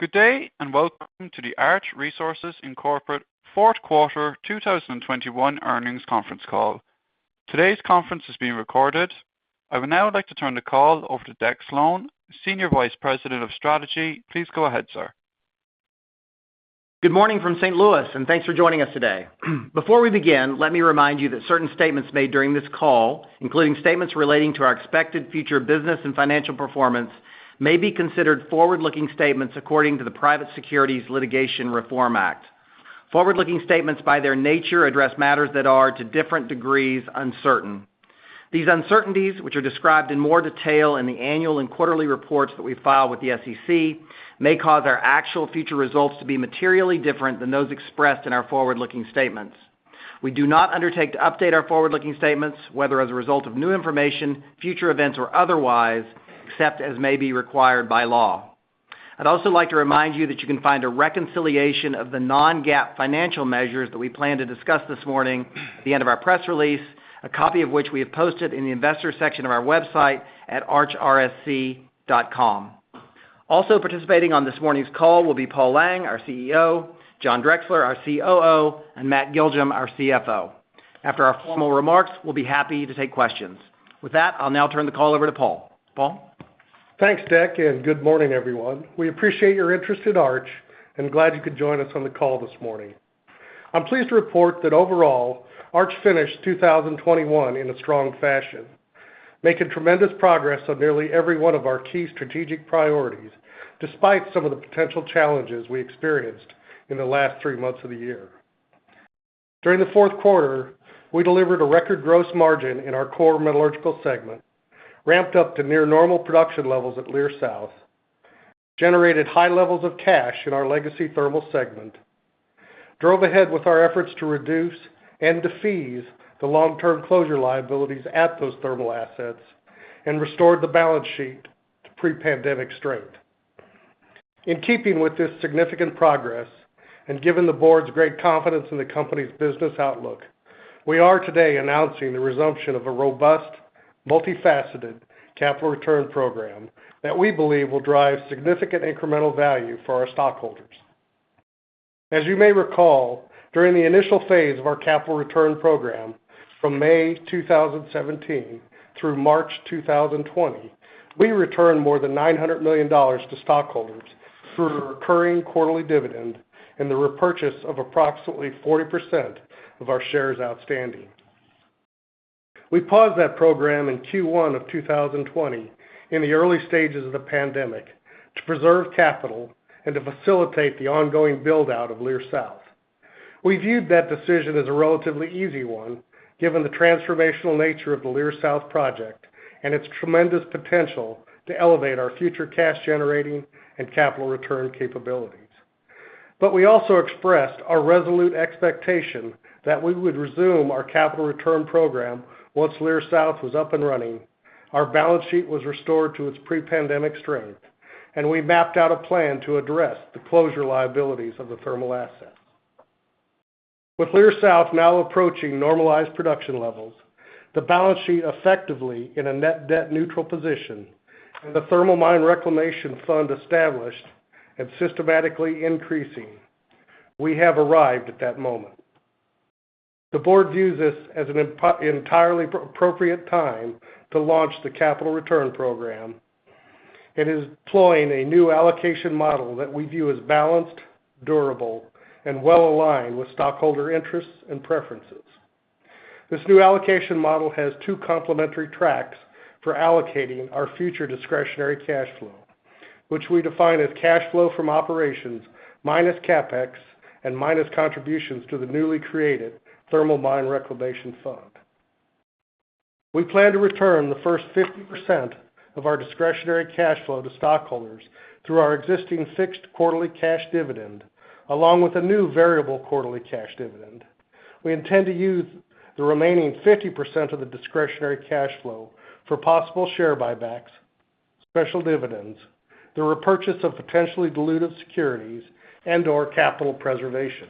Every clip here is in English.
Good day, and welcome to the Arch Resources, Inc fourth quarter 2021 earnings conference call. Today's conference is being recorded. I would now like to turn the call over to Deck Slone, Senior Vice President of Strategy. Please go ahead, Sir. Good morning from St. Louis, and thanks for joining us today. Before we begin, let me remind you that certain statements made during this call, including statements relating to our expected future business and financial performance, may be considered forward-looking statements according to the Private Securities Litigation Reform Act. Forward-looking statements, by their nature, address matters that are, to different degrees, uncertain. These uncertainties, which are described in more detail in the annual and quarterly reports that we file with the SEC, may cause our actual future results to be materially different than those expressed in our forward-looking statements. We do not undertake to update our forward-looking statements, whether as a result of new information, future events, or otherwise, except as may be required by law. I'd also like to remind you that you can find a reconciliation of the non-GAAP financial measures that we plan to discuss this morning at the end of our press release, a copy of which we have posted in the Investors section of our website at archrsc.com. Also participating on this morning's call will be Paul Lang, our CEO, John Drexler, our COO, and Matt Giljum, our CFO. After our formal remarks, we'll be happy to take questions. With that, I'll now turn the call over to Paul. Paul? Thanks, Deck, and good morning, everyone. We appreciate your interest in Arch, and glad you could join us on the call this morning. I'm pleased to report that overall, Arch finished 2021 in a strong fashion, making tremendous progress on nearly every one of our key strategic priorities, despite some of the potential challenges we experienced in the last three months of the year. During the fourth quarter, we delivered a record gross margin in our core metallurgical segment, ramped up to near normal production levels at Leer South, generated high levels of cash in our legacy thermal segment, drove ahead with our efforts to reduce and defease the long-term closure liabilities at those thermal assets, and restored the balance sheet to pre-pandemic strength. In keeping with this significant progress, and given the board's great confidence in the company's business outlook, we are today announcing the resumption of a robust, multifaceted capital return program that we believe will drive significant incremental value for our stockholders. As you may recall, during the initial phase of our capital return program, from May 2017 through March 2020, we returned more than $900 million to stockholders through a recurring quarterly dividend and the repurchase of approximately 40% of our shares outstanding. We paused that program in Q1 of 2020, in the early stages of the pandemic, to preserve capital and to facilitate the ongoing build-out of Leer South. We viewed that decision as a relatively easy one, given the transformational nature of the Leer South project and its tremendous potential to elevate our future cash-generating and capital return capabilities. We also expressed our resolute expectation that we would resume our capital return program once Leer South was up and running, our balance sheet was restored to its pre-pandemic strength, and we mapped out a plan to address the closure liabilities of the thermal assets. With Leer South now approaching normalized production levels, the balance sheet effectively in a net-debt neutral position, and the thermal mine reclamation fund established and systematically increasing, we have arrived at that moment. The board views this as an entirely appropriate time to launch the capital return program. It is deploying a new allocation model that we view as balanced, durable, and well-aligned with stockholder interests and preferences. This new allocation model has two complementary tracks for allocating our future discretionary cash flow, which we define as cash flow from operations minus CapEx and minus contributions to the newly created thermal mine reclamation fund. We plan to return the first 50% of our discretionary cash flow to stockholders through our existing fixed quarterly cash dividend, along with a new variable quarterly cash dividend. We intend to use the remaining 50% of the discretionary cash flow for possible share buybacks, special dividends, the repurchase of potentially dilutive securities, and/or capital preservation.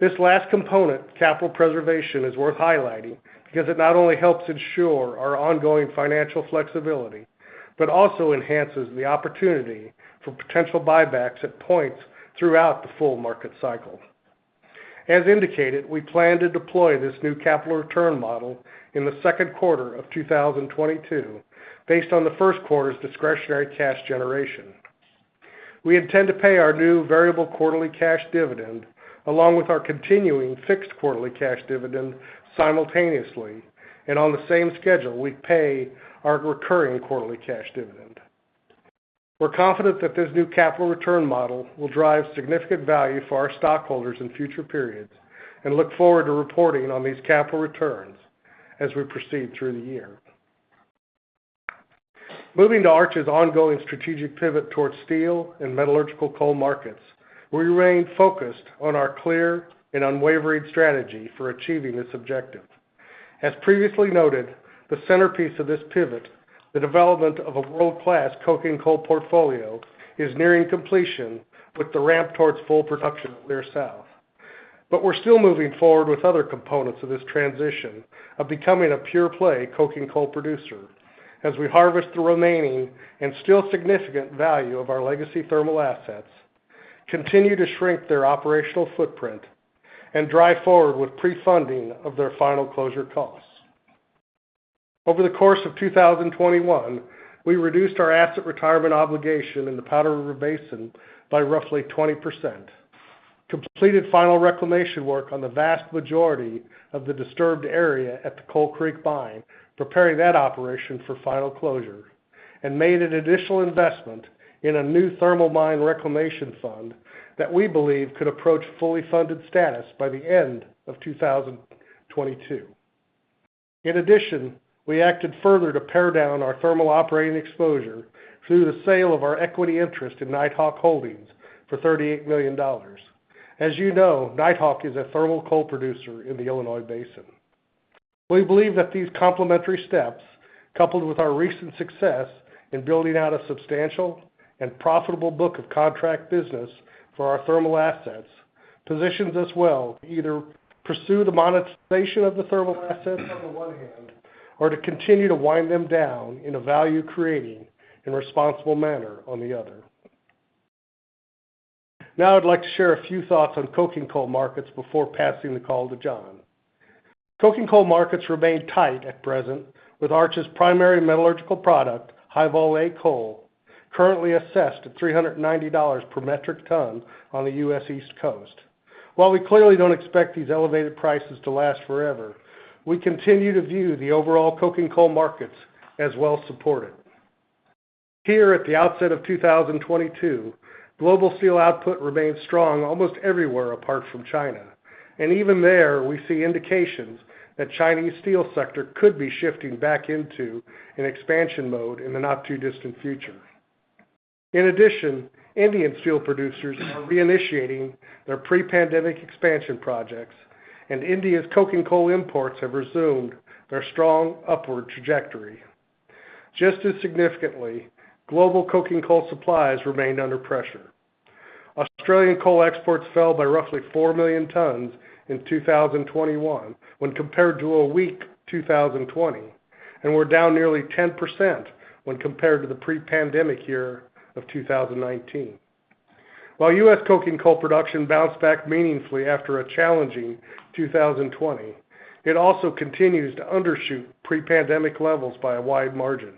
This last component, capital preservation, is worth highlighting because it not only helps ensure our ongoing financial flexibility but also enhances the opportunity for potential buybacks at points throughout the full market cycle. As indicated, we plan to deploy this new capital return model in the second quarter of 2022, based on the first quarter's discretionary cash generation. We intend to pay our new variable quarterly cash dividend, along with our continuing fixed quarterly cash dividend, simultaneously and on the same schedule we pay our recurring quarterly cash dividend. We're confident that this new capital return model will drive significant value for our stockholders in future periods and look forward to reporting on these capital returns as we proceed through the year. Moving to Arch's ongoing strategic pivot towards steel and metallurgical coal markets, we remain focused on our clear and unwavering strategy for achieving this objective. As previously noted, the centerpiece of this pivot, the development of a world-class coking coal portfolio, is nearing completion with the ramp towards full production at Leer South. We're still moving forward with other components of this transition of becoming a pure play coking coal producer as we harvest the remaining and still significant value of our legacy thermal assets, continue to shrink their operational footprint, and drive forward with pre-funding of their final closure costs. Over the course of 2021, we reduced our asset retirement obligation in the Powder River Basin by roughly 20%, completed final reclamation work on the vast majority of the disturbed area at the Coal Creek Mine, preparing that operation for final closure, and made an additional investment in a new thermal mine reclamation fund that we believe could approach fully funded status by the end of 2022. In addition, we acted further to pare down our thermal operating exposure through the sale of our equity interest in Knight Hawk Holdings for $38 million. As you know, Knight Hawk is a thermal coal producer in the Illinois Basin. We believe that these complementary steps, coupled with our recent success in building out a substantial and profitable book of contract business for our thermal assets, positions us well to either pursue the monetization of the thermal assets on the one hand, or to continue to wind them down in a value-creating and responsible manner on the other. Now I'd like to share a few thoughts on coking coal markets before passing the call to John. Coking coal markets remain tight at present, with Arch's primary metallurgical product, High-Vol A coal, currently assessed at $390 per metric ton on the U.S. East Coast. While we clearly don't expect these elevated prices to last forever, we continue to view the overall coking coal markets as well supported. Here, at the outset of 2022, global steel output remains strong almost everywhere apart from China. Even there, we see indications that Chinese steel sector could be shifting back into an expansion mode in the not-too-distant future. In addition, Indian steel producers are reinitiating their pre-pandemic expansion projects, and India's coking coal imports have resumed their strong upward trajectory. Just as significantly, global coking coal supplies remained under pressure. Australian coal exports fell by roughly 4 million tons in 2021 when compared to a weak 2020, and were down nearly 10% when compared to the pre-pandemic year of 2019. While U.S. coking coal production bounced back meaningfully after a challenging 2020, it also continues to undershoot pre-pandemic levels by a wide margin.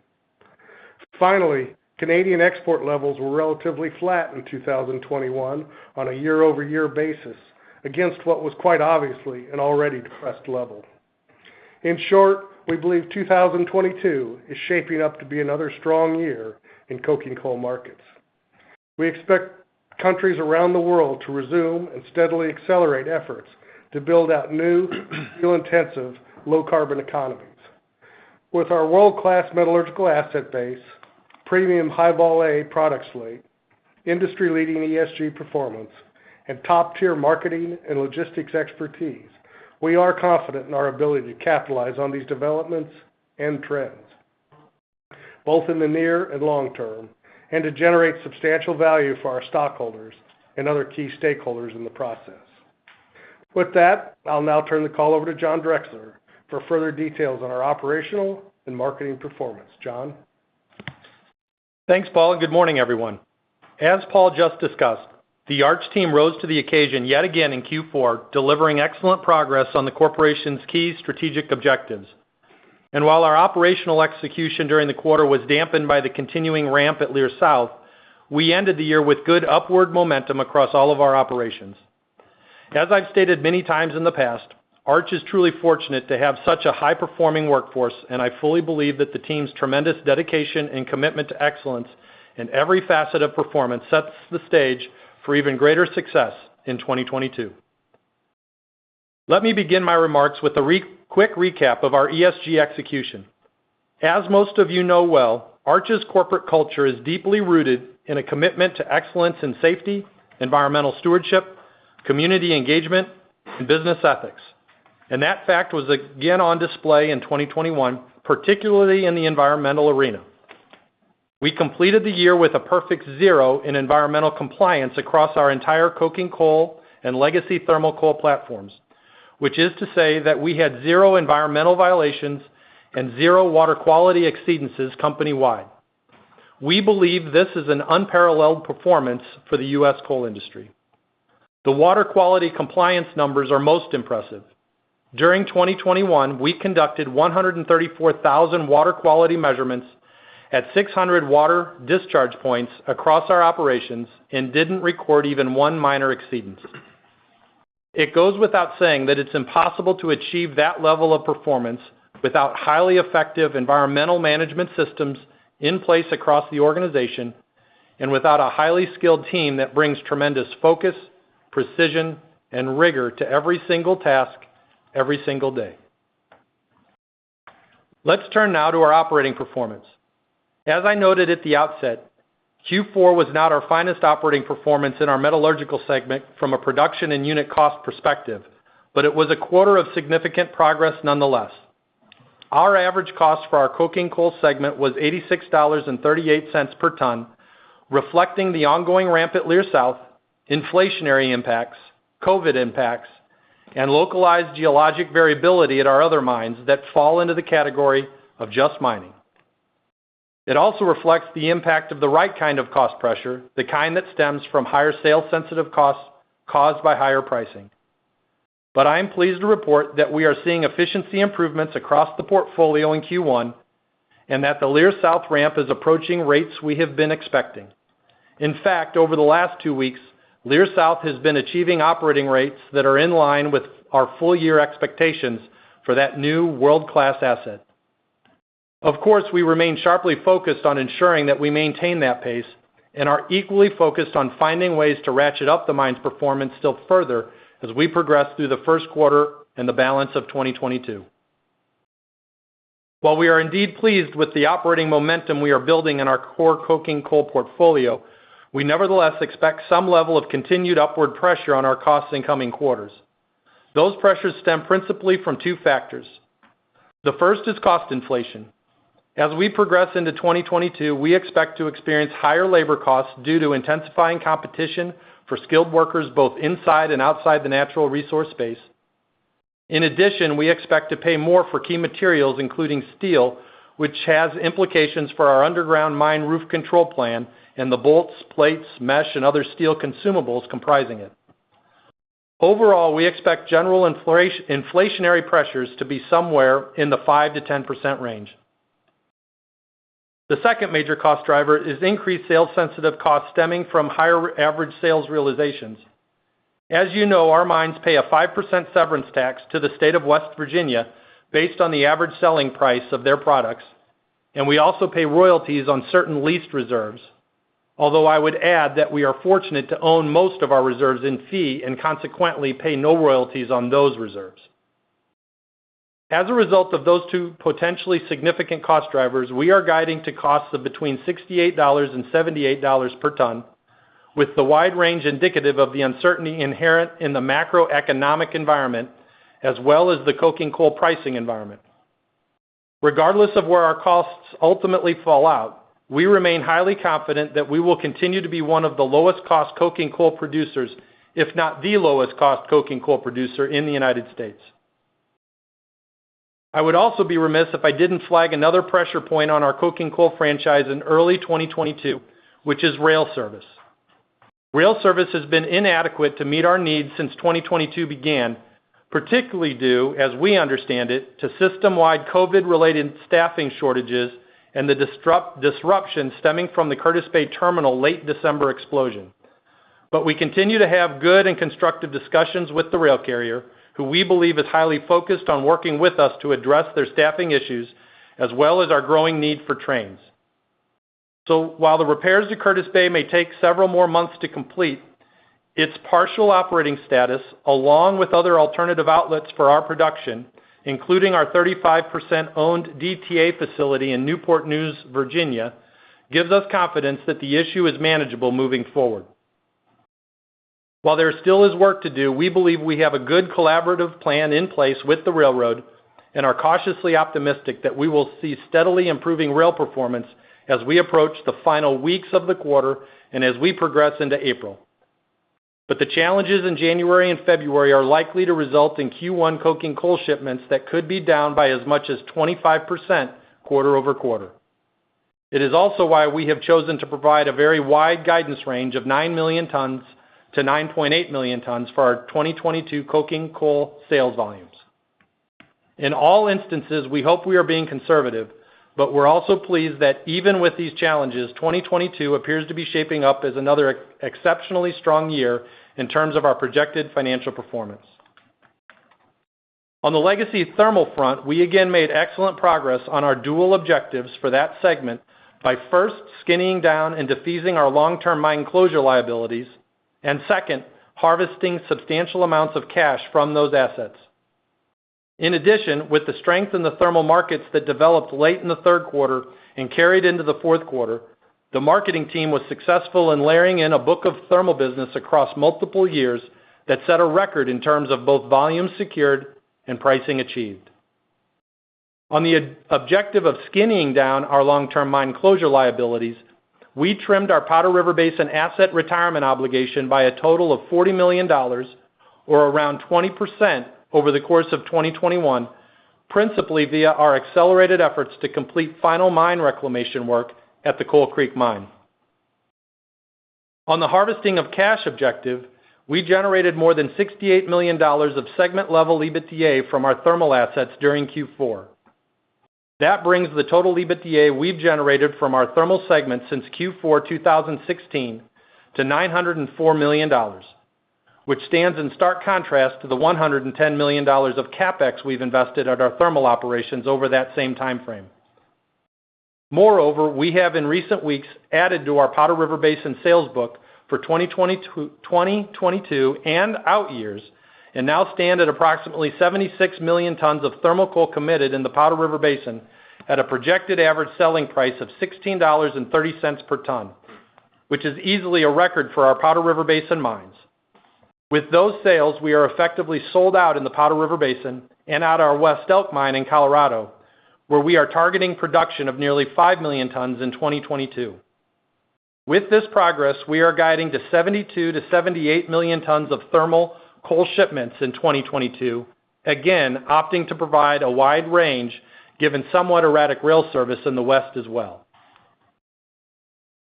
Finally, Canadian export levels were relatively flat in 2021 on a year-over-year basis against what was quite obviously an already depressed level. In short, we believe 2022 is shaping up to be another strong year in coking coal markets. We expect countries around the world to resume and steadily accelerate efforts to build out new steel-intensive low-carbon economies. With our world-class metallurgical asset base, premium High-Vol A product slate, industry-leading ESG performance, and top-tier marketing and logistics expertise, we are confident in our ability to capitalize on these developments and trends, both in the near and long term, and to generate substantial value for our stockholders and other key stakeholders in the process. With that, I'll now turn the call over to John Drexler for further details on our operational and marketing performance. John? Thanks, Paul, and good morning, everyone. As Paul just discussed, the Arch team rose to the occasion yet again in Q4, delivering excellent progress on the corporation's key strategic objectives. While our operational execution during the quarter was dampened by the continuing ramp at Leer South, we ended the year with good upward momentum across all of our operations. As I've stated many times in the past, Arch is truly fortunate to have such a high-performing workforce, and I fully believe that the team's tremendous dedication and commitment to excellence in every facet of performance sets the stage for even greater success in 2022. Let me begin my remarks with a quick recap of our ESG execution. As most of you know well, Arch's corporate culture is deeply rooted in a commitment to excellence in safety, environmental stewardship, community engagement, and business ethics, and that fact was again on display in 2021, particularly in the environmental arena. We completed the year with a perfect zero in environmental compliance across our entire coking coal and legacy thermal coal platforms, which is to say that we had zero environmental violations and zero water quality exceedances company-wide. We believe this is an unparalleled performance for the U.S. coal industry. The water quality compliance numbers are most impressive. During 2021, we conducted 134,000 water quality measurements at 600 water discharge points across our operations and didn't record even one minor exceedance. It goes without saying that it's impossible to achieve that level of performance without highly effective environmental management systems in place across the organization and without a highly skilled team that brings tremendous focus, precision, and rigor to every single task every single day. Let's turn now to our operating performance. As I noted at the outset, Q4 was not our finest operating performance in our metallurgical segment from a production and unit cost perspective, but it was a quarter of significant progress nonetheless. Our average cost for our coking coal segment was $86.38 per ton, reflecting the ongoing ramp at Leer South, inflationary impacts, COVID impacts, and localized geologic variability at our other mines that fall into the category of just mining. It also reflects the impact of the right kind of cost pressure, the kind that stems from higher sales sensitive costs caused by higher pricing. I am pleased to report that we are seeing efficiency improvements across the portfolio in Q1 and that the Leer South ramp is approaching rates we have been expecting. In fact, over the last two weeks, Leer South has been achieving operating rates that are in line with our full year expectations for that new world-class asset. Of course, we remain sharply focused on ensuring that we maintain that pace and are equally focused on finding ways to ratchet up the mine's performance still further as we progress through the first quarter and the balance of 2022. While we are indeed pleased with the operating momentum we are building in our core coking coal portfolio, we nevertheless expect some level of continued upward pressure on our costs in coming quarters. Those pressures stem principally from two factors. The first is cost inflation. As we progress into 2022, we expect to experience higher labor costs due to intensifying competition for skilled workers both inside and outside the natural resource space. In addition, we expect to pay more for key materials, including steel, which has implications for our underground mine roof control plan and the bolts, plates, mesh, and other steel consumables comprising it. Overall, we expect general inflationary pressures to be somewhere in the 5%-10% range. The second major cost driver is increased sales sensitive costs stemming from higher average sales realizations. As you know, our mines pay a 5% severance tax to the state of West Virginia based on the average selling price of their products, and we also pay royalties on certain leased reserves, although I would add that we are fortunate to own most of our reserves in fee and consequently pay no royalties on those reserves. As a result of those two potentially significant cost drivers, we are guiding to costs of between $68 and $78 per ton, with the wide range indicative of the uncertainty inherent in the macroeconomic environment, as well as the coking coal pricing environment. Regardless of where our costs ultimately fall out, we remain highly confident that we will continue to be one of the lowest cost coking coal producers, if not the lowest cost coking coal producer in the United States. I would also be remiss if I didn't flag another pressure point on our coking coal franchise in early 2022, which is rail service. Rail service has been inadequate to meet our needs since 2022 began, particularly due, as we understand it, to system-wide COVID-related staffing shortages and the disruption stemming from the Curtis Bay Terminal late December explosion. We continue to have good and constructive discussions with the rail carrier, who we believe is highly focused on working with us to address their staffing issues as well as our growing need for trains. While the repairs to Curtis Bay may take several more months to complete, its partial operating status, along with other alternative outlets for our production, including our 35% owned DTA facility in Newport News, Virginia, gives us confidence that the issue is manageable moving forward. While there still is work to do, we believe we have a good collaborative plan in place with the railroad and are cautiously optimistic that we will see steadily improving rail performance as we approach the final weeks of the quarter and as we progress into April. The challenges in January and February are likely to result in Q1 coking coal shipments that could be down by as much as 25% quarter-over-quarter. It is also why we have chosen to provide a very wide guidance range of 9 million tons-9.8 million tons for our 2022 coking coal sales volumes. In all instances, we hope we are being conservative, but we're also pleased that even with these challenges, 2022 appears to be shaping up as another exceptionally strong year in terms of our projected financial performance. On the legacy thermal front, we again made excellent progress on our dual objectives for that segment by first skinning down and defeasing our long-term mine closure liabilities, and second, harvesting substantial amounts of cash from those assets. In addition, with the strength in the thermal markets that developed late in the third quarter and carried into the fourth quarter, the marketing team was successful in layering in a book of thermal business across multiple years that set a record in terms of both volume secured and pricing achieved. On the objective of skinning down our long-term mine closure liabilities, we trimmed our Powder River Basin asset retirement obligation by a total of $40 million or around 20% over the course of 2021, principally via our accelerated efforts to complete final mine reclamation work at the Coal Creek Mine. On the harvesting of cash objective, we generated more than $68 million of segment-level EBITDA from our thermal assets during Q4. That brings the total EBITDA we've generated from our thermal segment since Q4 2016 to $904 million, which stands in stark contrast to the $110 million of CapEx we've invested at our thermal operations over that same time frame. Moreover, we have in recent weeks added to our Powder River Basin sales book for 2022 and out years, and now stand at approximately 76 million tons of thermal coal committed in the Powder River Basin at a projected average selling price of $16.30 per ton, which is easily a record for our Powder River Basin mines. With those sales, we are effectively sold out in the Powder River Basin and at our West Elk mine in Colorado, where we are targeting production of nearly 5 million tons in 2022. With this progress, we are guiding to 72 million-78 million tons of thermal coal shipments in 2022. Again, opting to provide a wide range given somewhat erratic rail service in the West as well.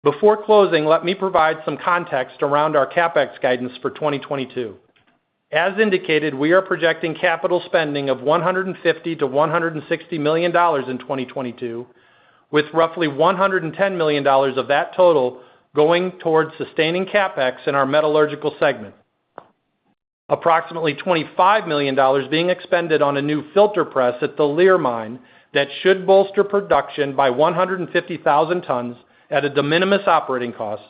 Before closing, let me provide some context around our CapEx guidance for 2022. As indicated, we are projecting capital spending of $150 million-$160 million in 2022, with roughly $110 million of that total going towards sustaining CapEx in our metallurgical segment, approximately $25 million being expended on a new filter press at the Leer mine that should bolster production by 150,000 tons at a de minimis operating cost,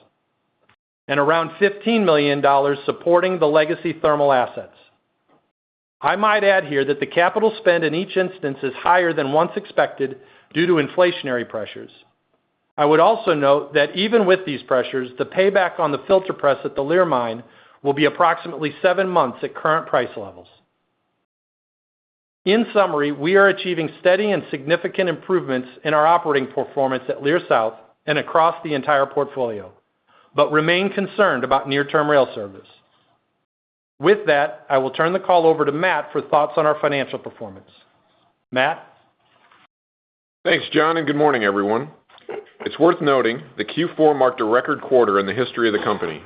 and around $15 million supporting the legacy thermal assets. I might add here that the capital spend in each instance is higher than once expected due to inflationary pressures. I would also note that even with these pressures, the payback on the filter press at the Leer mine will be approximately seven months at current price levels. In summary, we are achieving steady and significant improvements in our operating performance at Leer South and across the entire portfolio, but remain concerned about near-term rail service. With that, I will turn the call over to Matt for thoughts on our financial performance. Matt? Thanks, John, and good morning, everyone. It's worth noting that Q4 marked a record quarter in the history of the company,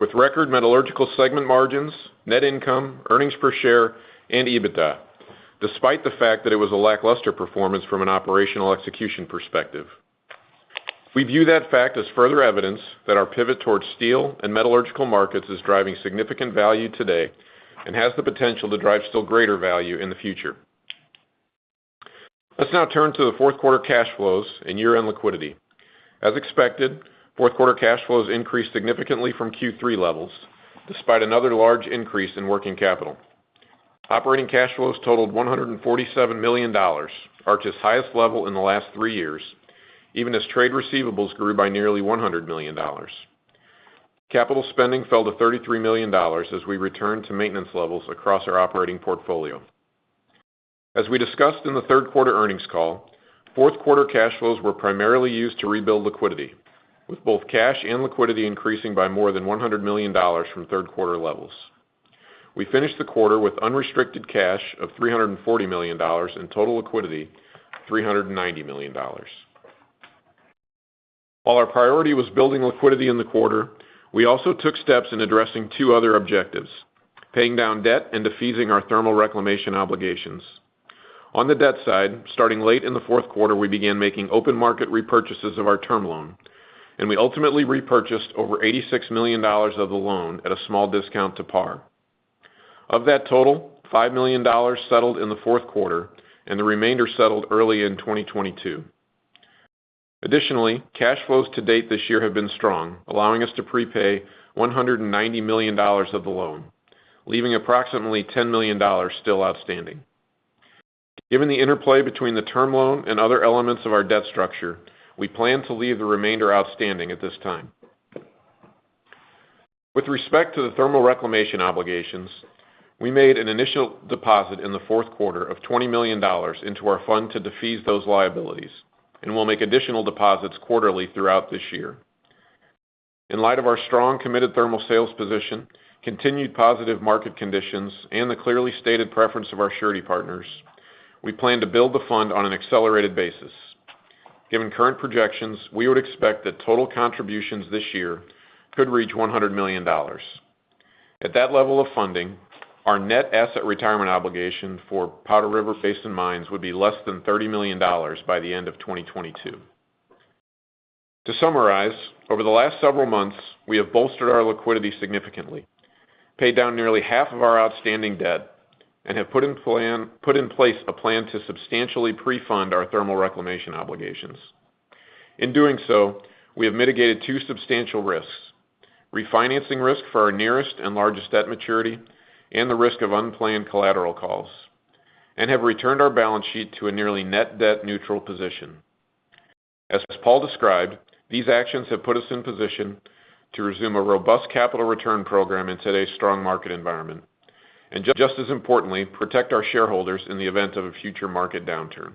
with record metallurgical segment margins, net income, earnings per share, and EBITDA, despite the fact that it was a lackluster performance from an operational execution perspective. We view that fact as further evidence that our pivot towards steel and metallurgical markets is driving significant value today and has the potential to drive still greater value in the future. Let's now turn to the fourth quarter cash flows and year-end liquidity. As expected, fourth quarter cash flows increased significantly from Q3 levels, despite another large increase in working capital. Operating cash flows totaled $147 million, Arch's highest level in the last three years, even as trade receivables grew by nearly $100 million. Capital spending fell to $33 million as we returned to maintenance levels across our operating portfolio. As we discussed in the third quarter earnings call, fourth quarter cash flows were primarily used to rebuild liquidity, with both cash and liquidity increasing by more than $100 million from third quarter levels. We finished the quarter with unrestricted cash of $340 million, and total liquidity of $390 million. While our priority was building liquidity in the quarter, we also took steps in addressing two other objectives, paying down debt and defeasing our thermal reclamation obligations. On the debt side, starting late in the fourth quarter, we began making open market repurchases of our term loan, and we ultimately repurchased over $86 million of the loan at a small discount to par. Of that total, $5 million settled in the fourth quarter and the remainder settled early in 2022. Additionally, cash flows to date this year have been strong, allowing us to prepay $190 million of the loan, leaving approximately $10 million still outstanding. Given the interplay between the term loan and other elements of our debt structure, we plan to leave the remainder outstanding at this time. With respect to the thermal reclamation obligations, we made an initial deposit in the fourth quarter of $20 million into our fund to defease those liabilities, and we'll make additional deposits quarterly throughout this year. In light of our strong, committed thermal sales position, continued positive market conditions, and the clearly stated preference of our surety partners, we plan to build the fund on an accelerated basis. Given current projections, we would expect that total contributions this year could reach $100 million. At that level of funding, our net asset retirement obligation for Powder River Basin mines would be less than $30 million by the end of 2022. To summarize, over the last several months, we have bolstered our liquidity significantly, paid down nearly half of our outstanding debt, and have put in place a plan to substantially pre-fund our thermal reclamation obligations. In doing so, we have mitigated two substantial risks, refinancing risk for our nearest and largest debt maturity and the risk of unplanned collateral calls, and have returned our balance sheet to a nearly net-debt neutral position. As Paul described, these actions have put us in position to resume a robust capital return program in today's strong market environment, and just as importantly, protect our shareholders in the event of a future market downturn.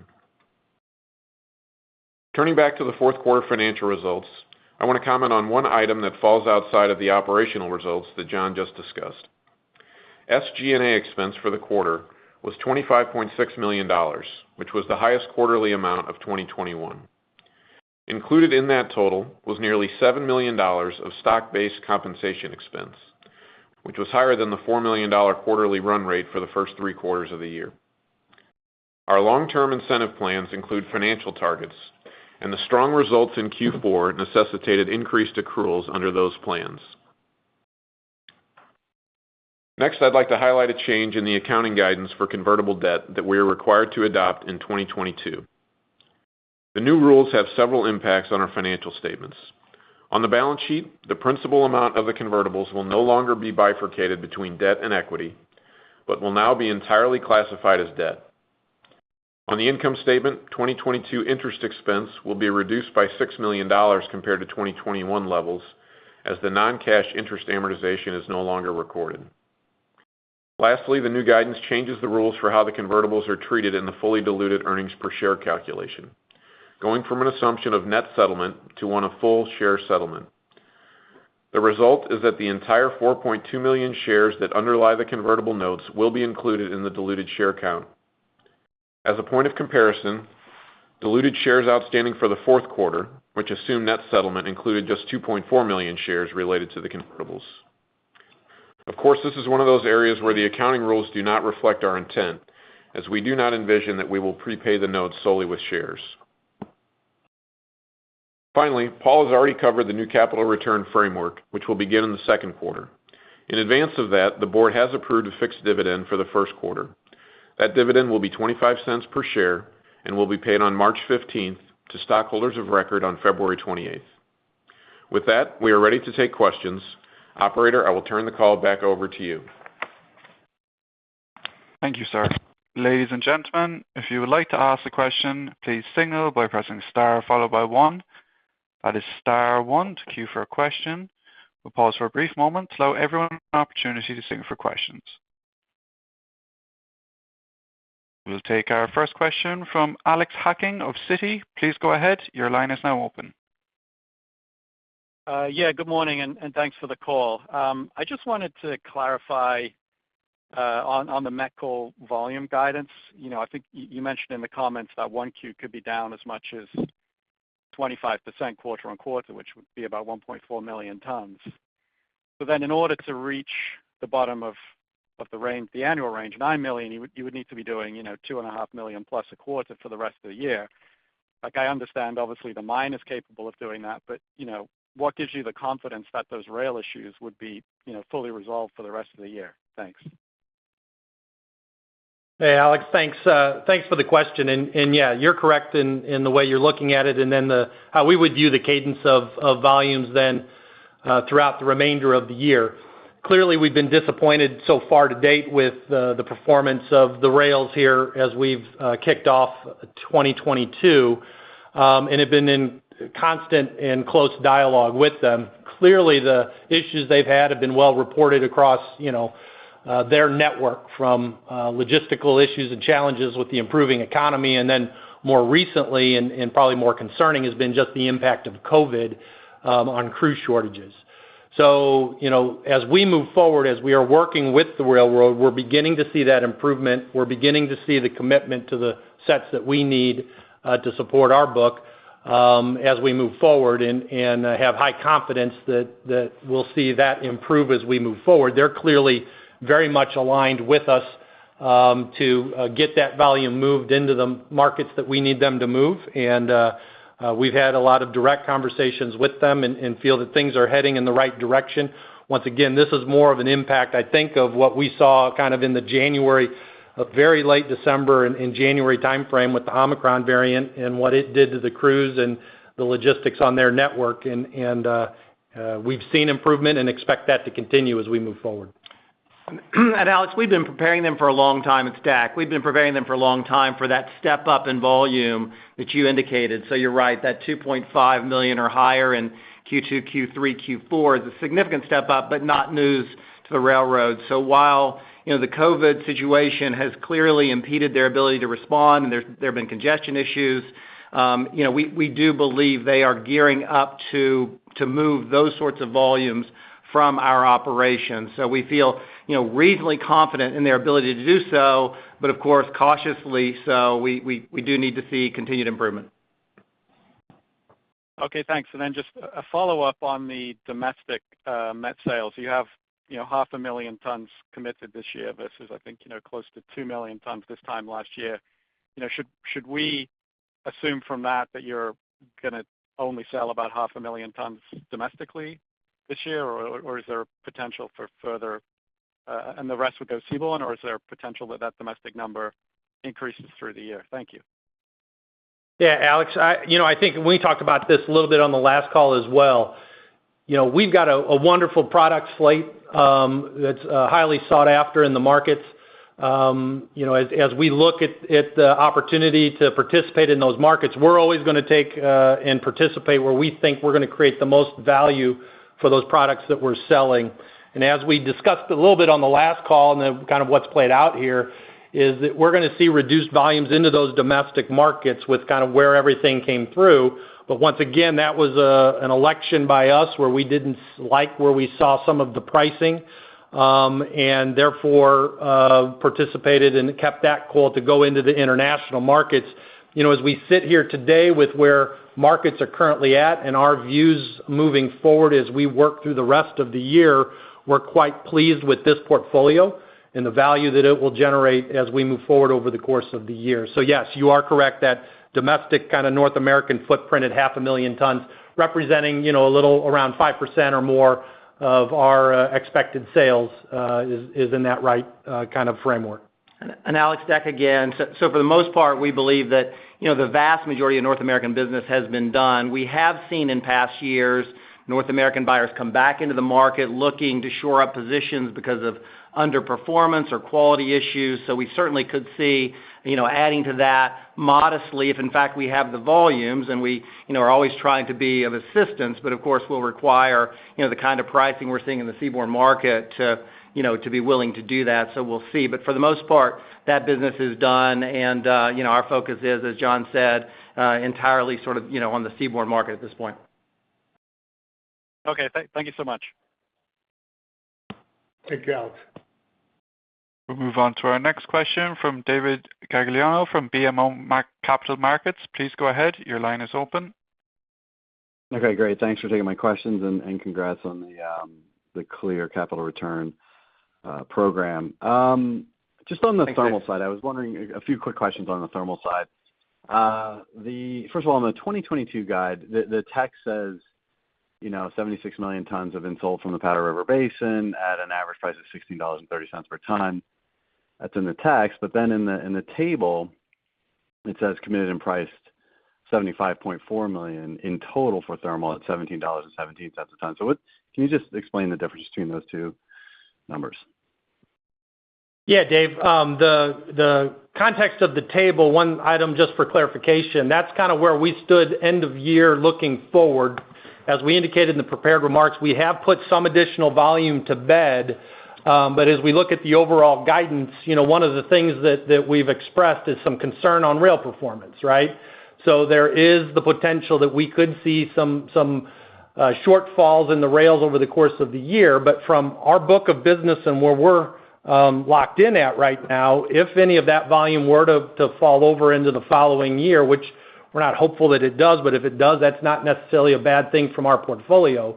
Turning back to the fourth quarter financial results, I wanna comment on one item that falls outside of the operational results that John just discussed. SG&A expense for the quarter was $25.6 million, which was the highest quarterly amount of 2021. Included in that total was nearly $7 million of stock-based compensation expense, which was higher than the $4 million quarterly run rate for the first three quarters of the year. Our long-term incentive plans include financial targets, and the strong results in Q4 necessitated increased accruals under those plans. Next, I'd like to highlight a change in the accounting guidance for convertible debt that we are required to adopt in 2022. The new rules have several impacts on our financial statements. On the balance sheet, the principal amount of the convertibles will no longer be bifurcated between debt and equity, but will now be entirely classified as debt. On the income statement, 2022 interest expense will be reduced by $6 million compared to 2021 levels as the non-cash interest amortization is no longer recorded. Lastly, the new guidance changes the rules for how the convertibles are treated in the fully diluted earnings per share calculation. Going from an assumption of net settlement to a full share settlement. The result is that the entire 4.2 million shares that underlie the convertible notes will be included in the diluted share count. As a point of comparison, diluted shares outstanding for the fourth quarter, which assume net settlement included just 2.4 million shares related to the convertibles. Of course, this is one of those areas where the accounting rules do not reflect our intent, as we do not envision that we will prepay the notes solely with shares. Finally, Paul has already covered the new capital return framework, which will begin in the second quarter. In advance of that, the board has approved a fixed dividend for the first quarter. That dividend will be $0.25 per share and will be paid on March 15th to stockholders of record on February 28th. With that, we are ready to take questions. Operator, I will turn the call back over to you. Thank you, Sir. Ladies and gentlemen, if you would like to ask a question, please signal by pressing star followed by one. That is star one to queue for a question. We'll pause for a brief moment to allow everyone an opportunity to signal for questions. We'll take our first question from Alex Hacking of Citi. Please go ahead. Your line is now open. Yeah, good morning, and thanks for the call. I just wanted to clarify on the met coal volume guidance. You know, I think you mentioned in the comments that 1Q could be down as much as 25% quarter-on-quarter, which would be about 1.4 million tons. In order to reach the bottom of the range, the annual range of 9 million, you would need to be doing, you know, 2.5 million+ a quarter for the rest of the year. Like, I understand, obviously, the mine is capable of doing that, but, you know, what gives you the confidence that those rail issues would be, you know, fully resolved for the rest of the year? Thanks. Hey, Alex, thanks. Thanks for the question. Yeah, you're correct in the way you're looking at it and then how we would view the cadence of volumes then throughout the remainder of the year. Clearly, we've been disappointed so far to date with the performance of the rails here as we've kicked off 2022 and have been in constant and close dialogue with them. Clearly, the issues they've had have been well-reported across, you know, their network, from logistical issues and challenges with the improving economy. Then more recently, and probably more concerning, has been just the impact of COVID on crew shortages. You know, as we move forward, as we are working with the railroad, we're beginning to see that improvement. We're beginning to see the commitment to the sets that we need to support our book as we move forward and have high confidence that we'll see that improve as we move forward. They're clearly very much aligned with us to get that volume moved into the markets that we need them to move. We've had a lot of direct conversations with them and feel that things are heading in the right direction. Once again, this is more of an impact, I think, of what we saw kind of in the January, very late December and January timeframe, with the Omicron variant and what it did to the crews and the logistics on their network. We've seen improvement and expect that to continue as we move forward. Alex, we've been preparing them for a long time at stack. We've been preparing them for a long time for that step up in volume that you indicated. You're right, that 2.5 million or higher in Q2, Q3, Q4 is a significant step up, but not news to the railroad. While, you know, the COVID situation has clearly impeded their ability to respond and there have been congestion issues, you know, we do believe they are gearing up to move those sorts of volumes from our operations. We feel, you know, reasonably confident in their ability to do so, but of course, cautiously so. We do need to see continued improvement. Okay, thanks. Just a follow-up on the domestic met sales. You have, you know, 500,000 tons committed this year versus I think, you know, close to 2 million tons this time last year. You know, should we assume from that you're gonna only sell about 500,000 tons domestically this year or is there potential for further, and the rest would go seaborne? Is there potential that domestic number increases through the year? Thank you. Yeah, Alex, you know, I think we talked about this a little bit on the last call as well. You know, we've got a wonderful product slate that's highly sought after in the markets. You know, as we look at the opportunity to participate in those markets, we're always gonna take and participate where we think we're gonna create the most value for those products that we're selling. As we discussed a little bit on the last call and then kind of what's played out here, is that we're gonna see reduced volumes into those domestic markets with kind of where everything came through. Once again, that was an election by us where we didn't like where we saw some of the pricing and therefore participated and kept that coal to go into the international markets. You know, as we sit here today with where markets are currently at and our views moving forward as we work through the rest of the year, we're quite pleased with this portfolio and the value that it will generate as we move forward over the course of the year. Yes, you are correct that domestic kind of North American footprint at 500,000 tons representing, you know, a little around 5% or more of our expected sales is in that right kind of framework. Alex, Deck again. For the most part, we believe that, you know, the vast majority of North American business has been done. We have seen in past years, North American buyers come back into the market looking to shore up positions because of underperformance or quality issues. We certainly could see, you know, adding to that modestly, if in fact we have the volumes, and we, you know, are always trying to be of assistance. But of course, we'll require, you know, the kind of pricing we're seeing in the seaborne market to, you know, to be willing to do that. We'll see. But for the most part, that business is done. Our focus is, as John said, entirely sort of, you know, on the seaborne market at this point. Okay. Thank you so much. Thank you, Alex. We'll move on to our next question from David Gagliano from BMO Capital Markets. Please go ahead. Your line is open. Okay, great. Thanks for taking my questions and congrats on the clear capital return program. Just on the thermal side, I was wondering, a few quick questions on the thermal side. First of all, on the 2022 guide, the text says, you know, 76 million tons installed from the Powder River Basin at an average price of $16.30 per ton. That's in the text. But then in the table, it says committed and priced 75.4 million in total for thermal at $17.17 a ton. So what, can you just explain the difference between those two numbers? Yeah, Dave. The context of the table, one item just for clarification, that's kind of where we stood end of year looking forward. As we indicated in the prepared remarks, we have put some additional volume to bed. As we look at the overall guidance, you know, one of the things that we've expressed is some concern on rail performance, right? There is the potential that we could see some shortfalls in the rails over the course of the year. From our book of business and where we're locked in at right now, if any of that volume were to fall over into the following year, which we're not hopeful that it does, but if it does, that's not necessarily a bad thing from our portfolio.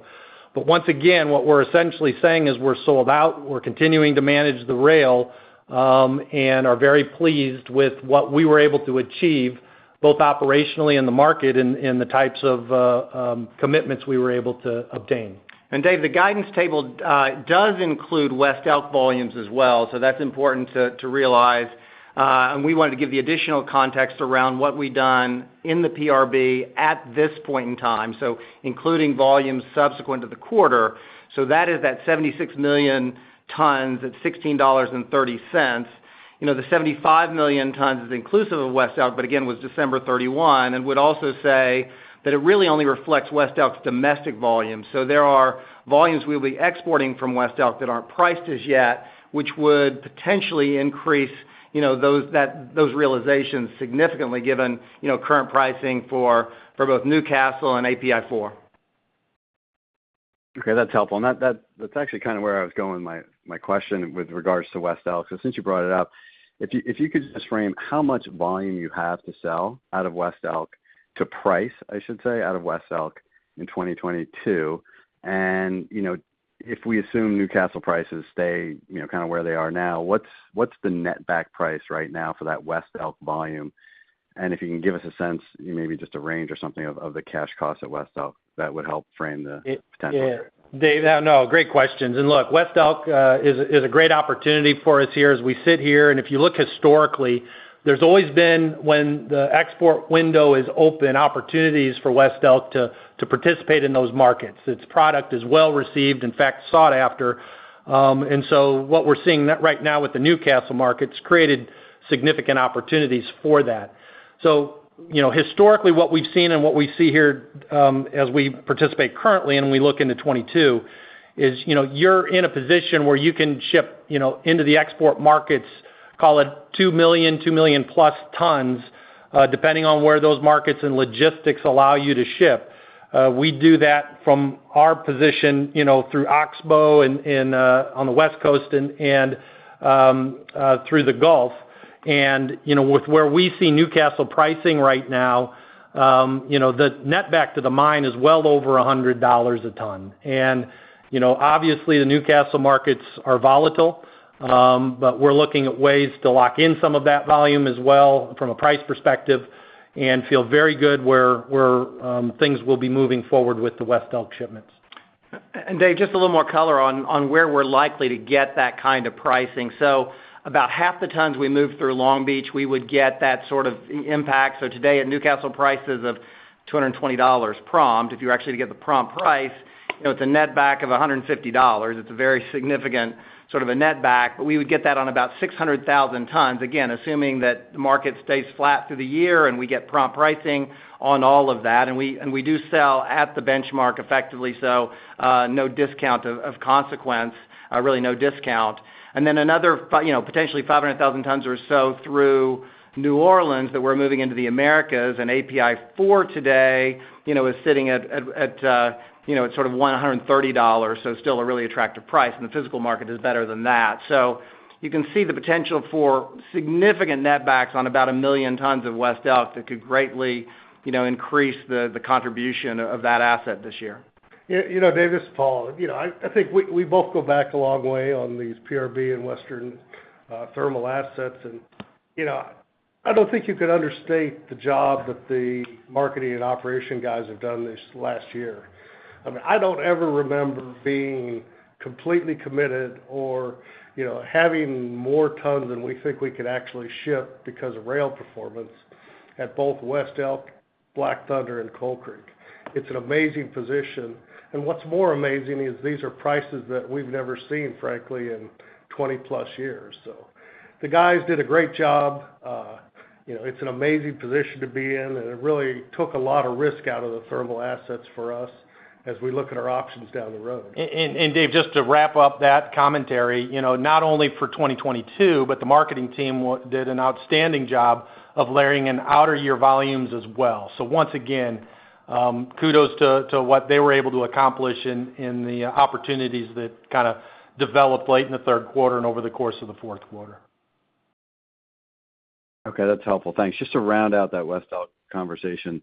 Once again, what we're essentially saying is we're sold out, we're continuing to manage the rail, and are very pleased with what we were able to achieve both operationally in the market and the types of commitments we were able to obtain. Dave, the guidance table does include West Elk volumes as well. That's important to realize. We wanted to give the additional context around what we've done in the PRB at this point in time, including volumes subsequent to the quarter. That is that 76 million tons at $16.30. You know, the 75 million tons is inclusive of West Elk, but again, was December 31, and would also say that it really only reflects West Elk's domestic volume. There are volumes we'll be exporting from West Elk that aren't priced as yet, which would potentially increase, you know, those realizations significantly given, you know, current pricing for both Newcastle and API-4. Okay, that's helpful. That's actually kind of where I was going with my question with regards to West Elk. Since you brought it up, if you could just frame how much volume you have to sell out of West Elk to price, I should say, out of West Elk in 2022. You know, if we assume Newcastle prices stay, you know, kind of where they are now, what's the netback price right now for that West Elk volume? If you can give us a sense, maybe just a range or something of the cash costs at West Elk, that would help frame the potential there. Yeah. Dave, no, great questions. Look, West Elk is a great opportunity for us here as we sit here. If you look historically, there's always been when the export window is open, opportunities for West Elk to participate in those markets. Its product is well-received, in fact, sought after. What we're seeing right now with the Newcastle markets created significant opportunities for that. You know, historically, what we've seen and what we see here, as we participate currently, and we look into 2022 is, you know, you're in a position where you can ship, you know, into the export markets, call it, 2 million, 2 million+ tons, depending on where those markets and logistics allow you to ship. We do that from our position, you know, through Oxbow on the West Coast through the Gulf. You know, with where we see Newcastle pricing right now, you know, the netback to the mine is well over $100 a ton. You know, obviously the Newcastle markets are volatile. But we're looking at ways to lock in some of that volume as well, from a price perspective, and feel very good where things will be moving forward with the West Elk shipments. Dave, just a little more color on where we're likely to get that kind of pricing. About half the tons we move through Long Beach, we would get that sort of impact. Today at Newcastle prices of $220 prompt, if you actually get the prompt price, you know, it's a netback of $150. It's a very significant sort of a netback, but we would get that on about 600,000 tons. Again, assuming that the market stays flat through the year and we get prompt pricing on all of that. We do sell at the benchmark effectively, so no discount of consequence, really no discount. Another you know, potentially 500,000 tons or so through New Orleans that we're moving into the Americas and API-4 today, you know, is sitting at you know, sort of $130. Still a really attractive price, and the physical market is better than that. You can see the potential for significant netbacks on about 1,000,000 tons of West Elk that could greatly, you know, increase the contribution of that asset this year. Yeah, you know, Dave, this is Paul. You know, I think we both go back a long way on these PRB and Western thermal assets. You know, I don't think you can understate the job that the marketing and operation guys have done this last year. I mean, I don't ever remember being completely committed or, you know, having more tons than we think we could actually ship because of rail performance at both West Elk, Black Thunder, and Coal Creek. It's an amazing position. What's more amazing is these are prices that we've never seen, frankly, in 20+ years. The guys did a great job. You know, it's an amazing position to be in, and it really took a lot of risk out of the thermal assets for us as we look at our options down the road. Dave, just to wrap up that commentary, you know, not only for 2022, but the marketing team did an outstanding job of layering in outer year volumes as well. Once again, kudos to what they were able to accomplish in the opportunities that kind of developed late in the third quarter and over the course of the fourth quarter. Okay, that's helpful. Thanks. Just to round out that West Elk conversation,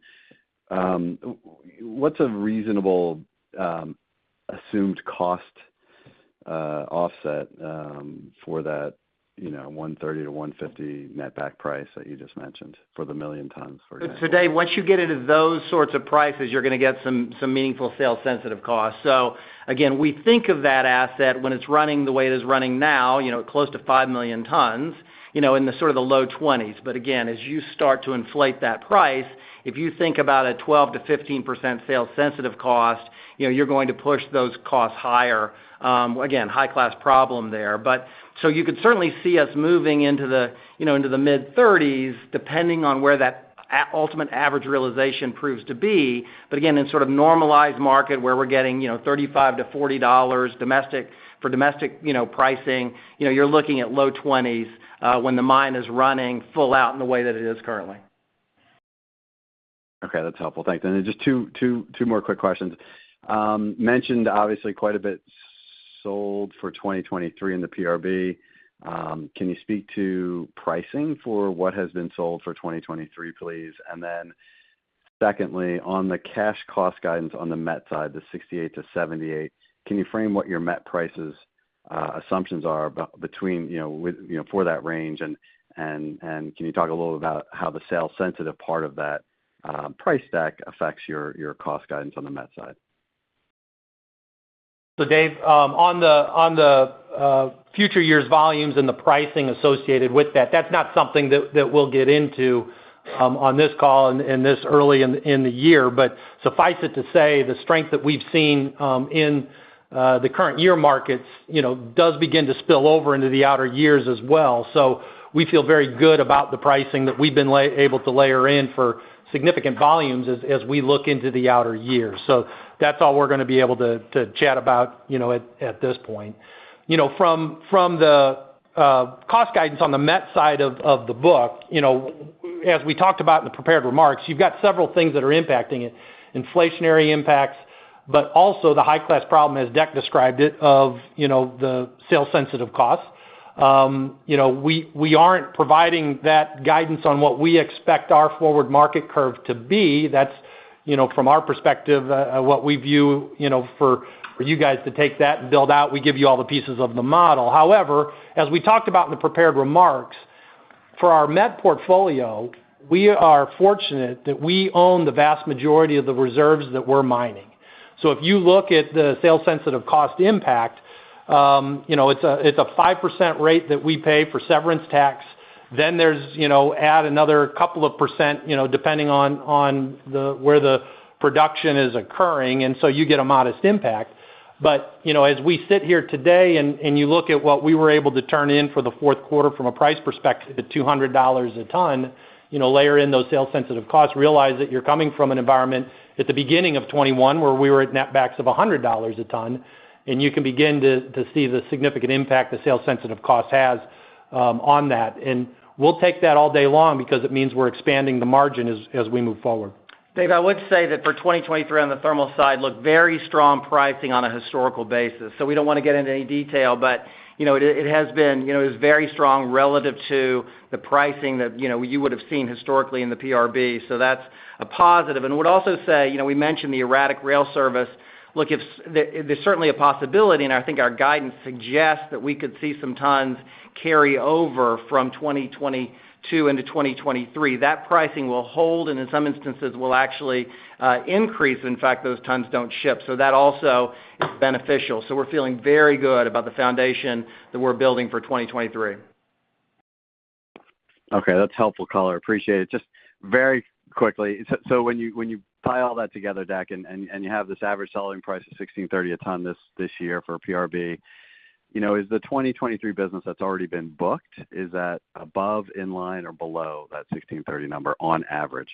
what's a reasonable assumed cost offset for that, you know, $130-$150 netback price that you just mentioned for the 1 million tons for example? Dave, once you get into those sorts of prices, you're gonna get some meaningful sales sensitive costs. Again, we think of that asset when it's running the way it is running now, you know, close to 5 million tons, you know, in the sort of low 20s. Again, as you start to inflate that price, if you think about a 12%-15% sales sensitive cost, you know, you're going to push those costs higher. Again, high-class problem there. You could certainly see us moving into the, you know, into the mid 30s, depending on where that ultimate average realization proves to be. Again, in sort of normalized market where we're getting, you know, $35-$40 domestic for domestic, you know, pricing. You know, you're looking at low 20s, when the mine is running full out in the way that it is currently. Okay, that's helpful. Thanks. Just two more quick questions. You mentioned, obviously, quite a bit sold for 2023 in the PRB. Can you speak to pricing for what has been sold for 2023, please? Then secondly, on the cash cost guidance on the met side, the $68-$78, can you frame what your met prices assumptions are between, you know, with, you know, for that range and can you talk a little about how the sales sensitive part of that price stack affects your cost guidance on the met side? Dave, on the future years volumes and the pricing associated with that, that's not something that we'll get into on this call and this early in the year. Suffice it to say, the strength that we've seen in the current year markets, you know, does begin to spill over into the outer years as well. We feel very good about the pricing that we've been able to layer in for significant volumes as we look into the outer years. That's all we're gonna be able to chat about, you know, at this point. You know, from the cost guidance on the met side of the book, you know, as we talked about in the prepared remarks, you've got several things that are impacting it. Inflationary impacts, but also the high-class problem as Deck described it, of, you know, the sales sensitive costs. You know, we aren't providing that guidance on what we expect our forward market curve to be. That's, you know, from our perspective, what we view, you know, for you guys to take that and build out. We give you all the pieces of the model. However, as we talked about in the prepared remarks, for our met portfolio, we are fortunate that we own the vast majority of the reserves that we're mining. So if you look at the sales sensitive cost impact, you know, it's a 5% rate that we pay for severance tax, then there's, you know, add another couple of percent, you know, depending on where the production is occurring, and so you get a modest impact. You know, as we sit here today and you look at what we were able to turn in for the fourth quarter from a price perspective at $200 a ton, you know, layer in those sales sensitive costs, realize that you're coming from an environment at the beginning of 2021 where we were at netbacks of $100 a ton, and you can begin to see the significant impact the sales sensitive cost has on that. We'll take that all day long because it means we're expanding the margin as we move forward. Dave, I would say that for 2023 on the thermal side, look, very strong pricing on a historical basis. We don't wanna get into any detail, but, you know, it has been, you know, it was very strong relative to the pricing that, you know, you would've seen historically in the PRB. That's a positive. I would also say, you know, we mentioned the erratic rail service. Look, if there's certainly a possibility, and I think our guidance suggests that we could see some tons carry over from 2022 into 2023. That pricing will hold, and in some instances will actually increase in fact, those tons don't ship. That also is beneficial. We're feeling very good about the foundation that we're building for 2023. Okay. That's helpful, caller. Appreciate it. Just very quickly. When you tie all that together, Deck, and you have this average selling price of $16.30 a ton this year for PRB, you know, is the 2023 business that's already been booked, is that above, in line, or below that $16.30 number on average?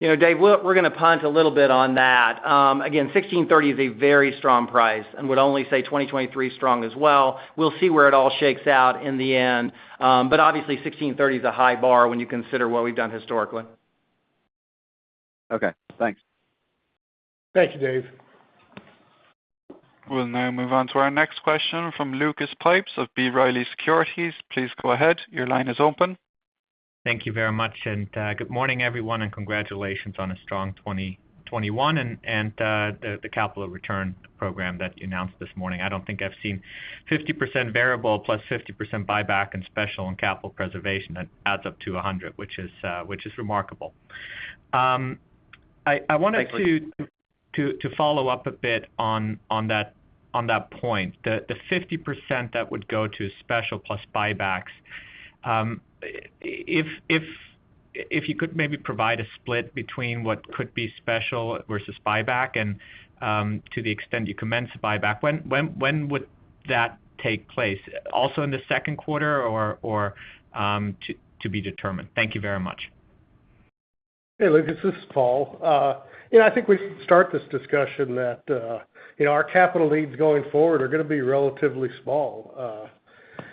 You know, Dave, we're gonna punt a little bit on that. Again, $16.30 is a very strong price and would only say 2023 strong as well. We'll see where it all shakes out in the end. Obviously $16.30 is a high bar when you consider what we've done historically. Okay, thanks. Thank you, Dave. We'll now move on to our next question from Lucas Pipes of B. Riley Securities. Please go ahead. Your line is open. Thank you very much, and good morning, everyone, and congratulations on a strong 2021 and the capital return program that you announced this morning. I don't think I've seen 50% variable plus 50% buyback and special and capital preservation that adds up to 100%, which is remarkable. I wanted to follow up a bit on that point. The 50% that would go to special plus buybacks. If you could maybe provide a split between what could be special versus buyback and to the extent you commence buyback, when would that take place? Also in the second quarter or to be determined? Thank you very much. Hey, Lucas, this is Paul. You know, I think we start this discussion that you know, our capital needs going forward are gonna be relatively small.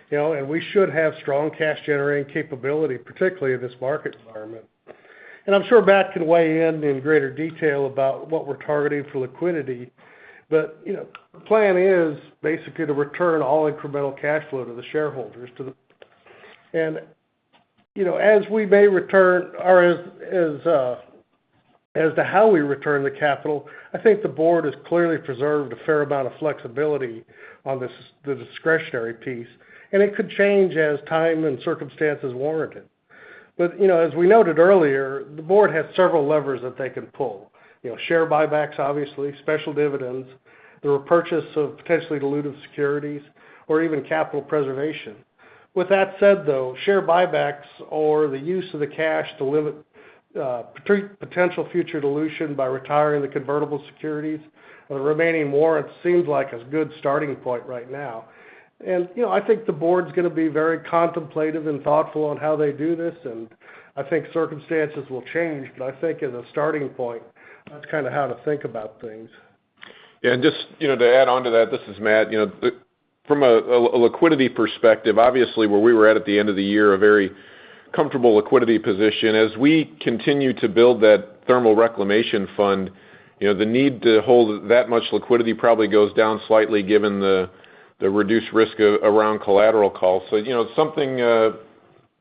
You know, we should have strong cash generating capability, particularly in this market environment. I'm sure Matt can weigh in in greater detail about what we're targeting for liquidity. You know, the plan is basically to return all incremental cash flow to the shareholders to, you know, as we may return or, as to how we return the capital, I think the board has clearly preserved a fair amount of flexibility on this, the discretionary piece, and it could change as time and circumstances warrant it. You know, as we noted earlier, the board has several levers that they can pull. You know, share buybacks, obviously, special dividends, the repurchase of potentially dilutive securities or even capital preservation. With that said, though, share buybacks or the use of the cash to limit potential future dilution by retiring the convertible securities or the remaining warrants seems like a good starting point right now. You know, I think the board's gonna be very contemplative and thoughtful on how they do this, and I think circumstances will change, but I think as a starting point, that's kind of how to think about things. Yeah. Just, you know, to add on to that, this is Matt. You know, from a liquidity perspective, obviously, where we were at the end of the year, a very comfortable liquidity position. As we continue to build that thermal reclamation fund, you know, the need to hold that much liquidity probably goes down slightly given the reduced risk around collateral calls. You know, something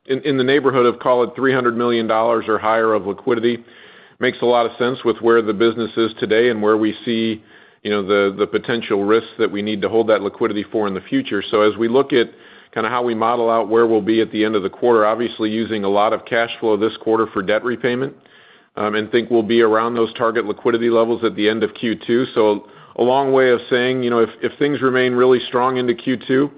in the neighborhood of, call it $300 million or higher of liquidity makes a lot of sense with where the business is today and where we see, you know, the potential risks that we need to hold that liquidity for in the future. As we look at kind of how we model out where we'll be at the end of the quarter, obviously using a lot of cash flow this quarter for debt repayment, and think we'll be around those target liquidity levels at the end of Q2. A long way of saying, you know, if things remain really strong into Q2,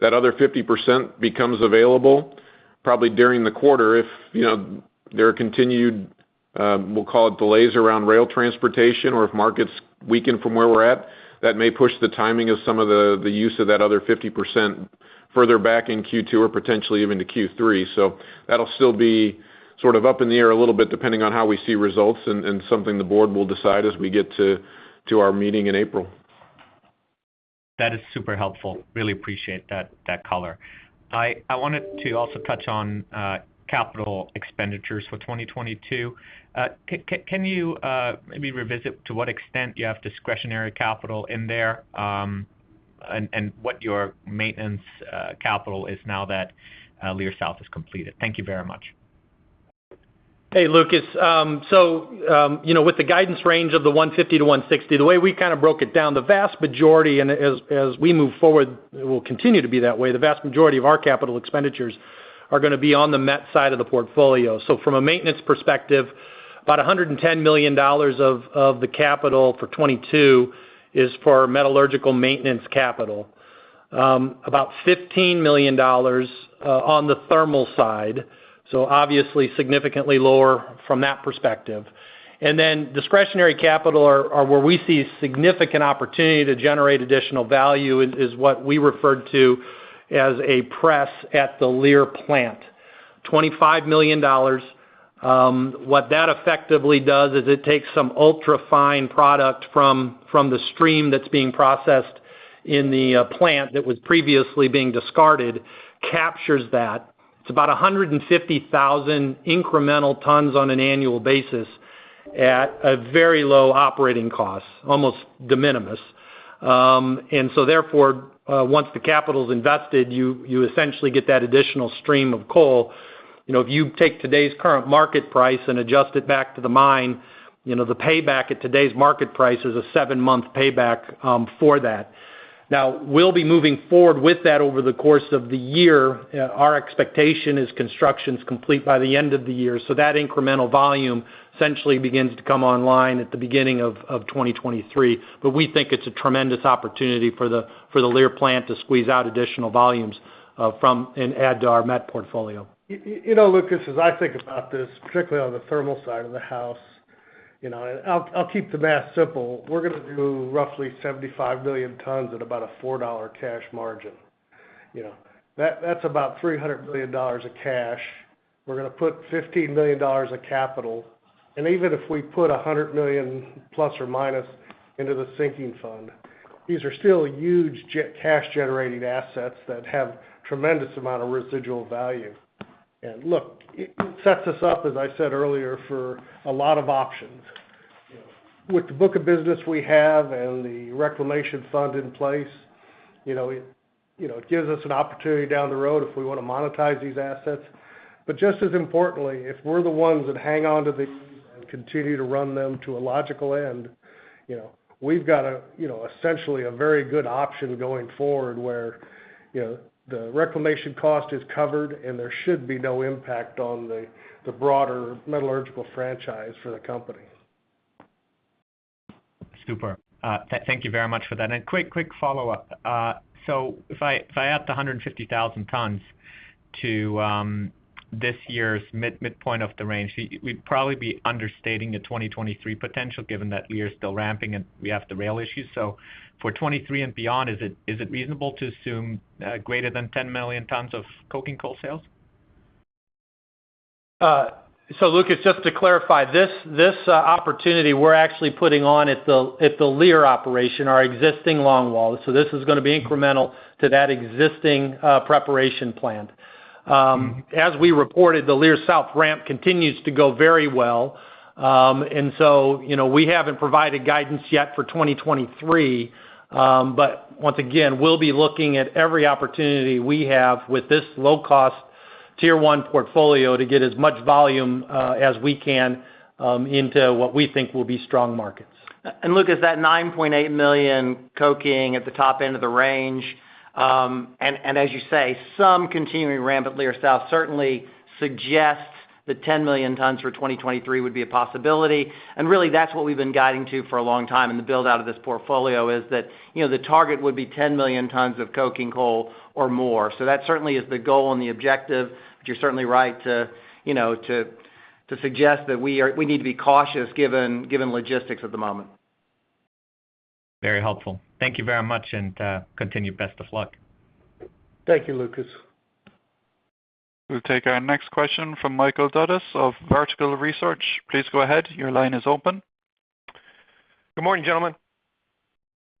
that other 50% becomes available probably during the quarter. If, you know, there are continued, we'll call it delays around rail transportation or if markets weaken from where we're at, that may push the timing of some of the use of that other 50% further back in Q2 or potentially even to Q3. That'll still be sort of up in the air a little bit, depending on how we see results and something the board will decide as we get to our meeting in April. That is super helpful. Really appreciate that color. I wanted to also touch on capital expenditures for 2022. Can you maybe revisit to what extent you have discretionary capital in there, and what your maintenance capital is now that Leer South is completed? Thank you very much. Hey, Lucas. You know, with the guidance range of $150 million-$160 million, the way we kind of broke it down, the vast majority, and as we move forward, it will continue to be that way, the vast majority of our capital expenditures are gonna be on the met side of the portfolio. From a maintenance perspective, about $110 million of the capital for 2022 is for metallurgical maintenance capital. About $15 million on the thermal side, obviously significantly lower from that perspective. Then discretionary capital where we see significant opportunity to generate additional value is what we referred to as a press at the Leer plant, $25 million. What that effectively does is it takes some ultra fine product from the stream that's being processed in the plant that was previously being discarded, captures that. It's about 150,000 incremental tons on an annual basis at a very low operating cost, almost de minimis. Once the capital is invested, you essentially get that additional stream of coal. You know, if you take today's current market price and adjust it back to the mine, you know, the payback at today's market price is a seven-month payback for that. Now, we'll be moving forward with that over the course of the year. Our expectation is construction's complete by the end of the year. That incremental volume essentially begins to come online at the beginning of 2023. We think it's a tremendous opportunity for the Leer plant to squeeze out additional volumes from and add to our met portfolio. You know, Lucas, as I think about this, particularly on the thermal side of the house, you know, and I'll keep the math simple. We're gonna do roughly 75 million tons at about a $4 cash margin. You know, that's about $300 million of cash. We're gonna put $15 million of capital. Even if we put $100 million± into the sinking fund, these are still huge cash-generating assets that have tremendous amount of residual value. Look, it sets us up, as I said earlier, for a lot of options. You know, with the book of business we have and the reclamation fund in place, you know, it gives us an opportunity down the road if we wanna monetize these assets. Just as importantly, if we're the ones that hang on to these and continue to run them to a logical end, you know, we've got a, you know, essentially a very good option going forward where, you know, the reclamation cost is covered, and there should be no impact on the broader metallurgical franchise for the company. Super. Thank you very much for that. Quick follow-up. If I add the 150,000 tons to this year's midpoint of the range, we'd probably be understating the 2023 potential, given that we are still ramping and we have the rail issues. For 2023 and beyond, is it reasonable to assume greater than 10 million tons of coking coal sales? Lucas, just to clarify, this opportunity we're actually putting on at the Leer operation, our existing longwall. This is gonna be incremental to that existing preparation plant. As we reported, the Leer South ramp continues to go very well. You know, we haven't provided guidance yet for 2023. But once again, we'll be looking at every opportunity we have with this low-cost Tier 1 portfolio to get as much volume as we can into what we think will be strong markets. Lucas, that 9.8 million coking at the top end of the range. As you say, some continuing ramp at Leer South certainly suggests the 10 million tons for 2023 would be a possibility, and really, that's what we've been guiding to for a long time. The build-out of this portfolio is that, you know, the target would be 10 million tons of coking coal or more. That certainly is the goal and the objective. You're certainly right to, you know, to suggest that we need to be cautious given logistics at the moment. Very helpful. Thank you very much, and continued best of luck. Thank you, Lucas. We'll take our next question from Michael Dudas of Vertical Research. Please go ahead. Your line is open. Good morning, gentlemen.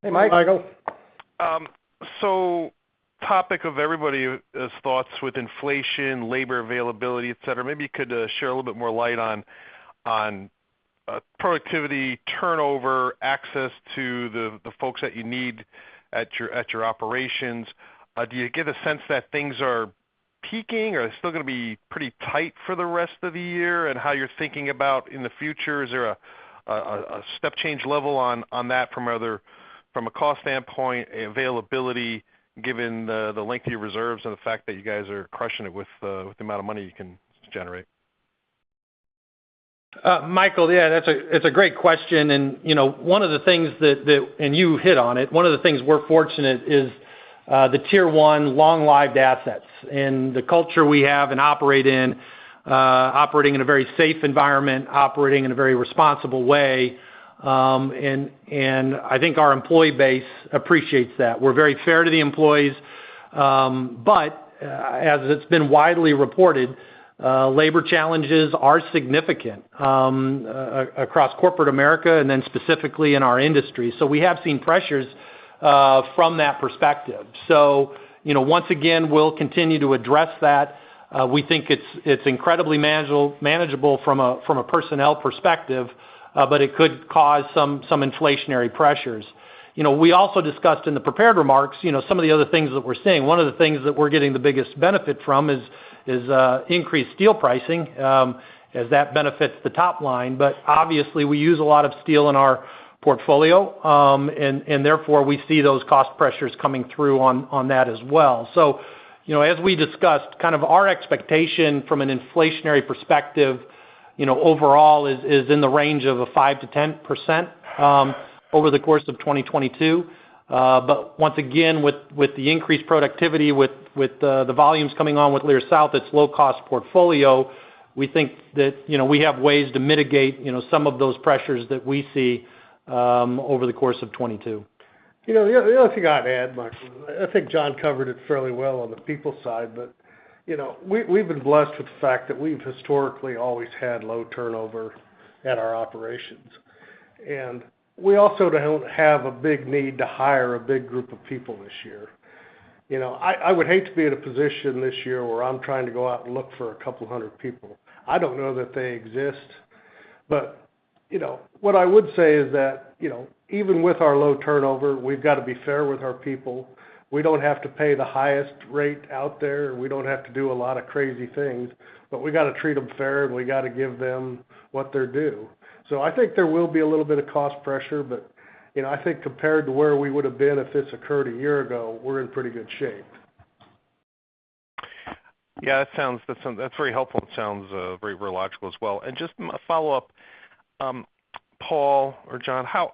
Hey, Mike. Michael. Topic of everybody's thoughts with inflation, labor availability, et cetera. Maybe you could share a little bit more light on productivity turnover, access to the folks that you need at your operations. Do you get a sense that things are peaking or still gonna be pretty tight for the rest of the year? How you're thinking about in the future, is there a step change level on that from a cost standpoint, availability, given the lengthy reserves and the fact that you guys are crushing it with the amount of money you can generate? Michael, yeah, that's a great question. You know, one of the things that, and you hit on it. One of the things we're fortunate is the Tier 1 long-lived assets. The culture we have and operate in, operating in a very safe environment, operating in a very responsible way. I think our employee base appreciates that. We're very fair to the employees. As it's been widely reported, labor challenges are significant across corporate America and then specifically in our industry. We have seen pressures from that perspective. You know, once again, we'll continue to address that. We think it's incredibly manageable from a personnel perspective, but it could cause some inflationary pressures. You know, we also discussed in the prepared remarks, you know, some of the other things that we're seeing. One of the things that we're getting the biggest benefit from is increased steel pricing as that benefits the top line. Obviously, we use a lot of steel in our portfolio. And therefore, we see those cost pressures coming through on that as well. You know, as we discussed, kind of our expectation from an inflationary perspective, you know, overall is in the range of 5%-10% over the course of 2022. Once again, with the increased productivity, with the volumes coming on with Leer South, its low cost portfolio, we think that, you know, we have ways to mitigate, you know, some of those pressures that we see over the course of 2022. You know, the other thing I'd add, Michael, I think John covered it fairly well on the people side. You know, we've been blessed with the fact that we've historically always had low turnover at our operations. We also don't have a big need to hire a big group of people this year. You know, I would hate to be in a position this year where I'm trying to go out and look for a couple hundred people. I don't know that they exist. You know, what I would say is that, you know, even with our low turnover, we've got to be fair with our people. We don't have to pay the highest rate out there. We don't have to do a lot of crazy things. We gotta treat them fair, and we gotta give them what they're due. I think there will be a little bit of cost pressure, but, you know, I think compared to where we would have been if this occurred a year ago, we're in pretty good shape. Yeah, that's very helpful. It sounds very, very logical as well. Just a follow-up, Paul or John, how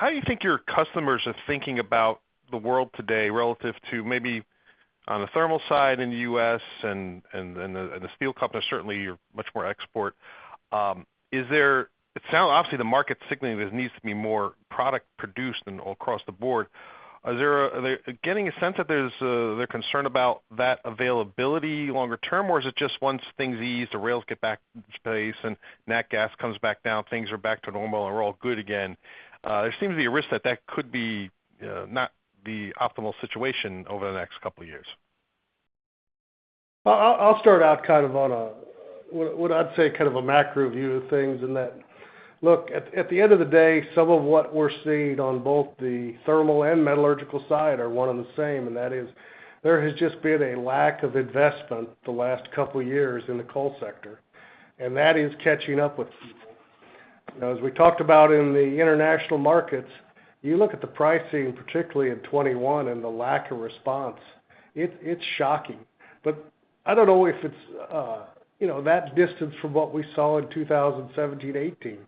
do you think your customers are thinking about the world today relative to maybe on the thermal side in the U.S. and the steel companies, certainly you're much more export. Obviously, the market's signaling there needs to be more product produced and across the board. Are they getting a sense that there's concern about that availability longer term? Or is it just once things ease, the rails get back into place and nat gas comes back down, things are back to normal and we're all good again? There seems to be a risk that could be not the optimal situation over the next couple of years. I'll start out kind of on a what I'd say kind of a macro view of things in that. Look, at the end of the day, some of what we're seeing on both the thermal and metallurgical side are one and the same, and that is there has just been a lack of investment the last couple of years in the coal sector, and that is catching up with people. As we talked about in the international markets, you look at the pricing, particularly in 2021, and the lack of response. It's shocking. I don't know if it's, you know, that distance from what we saw in 2017, 2018.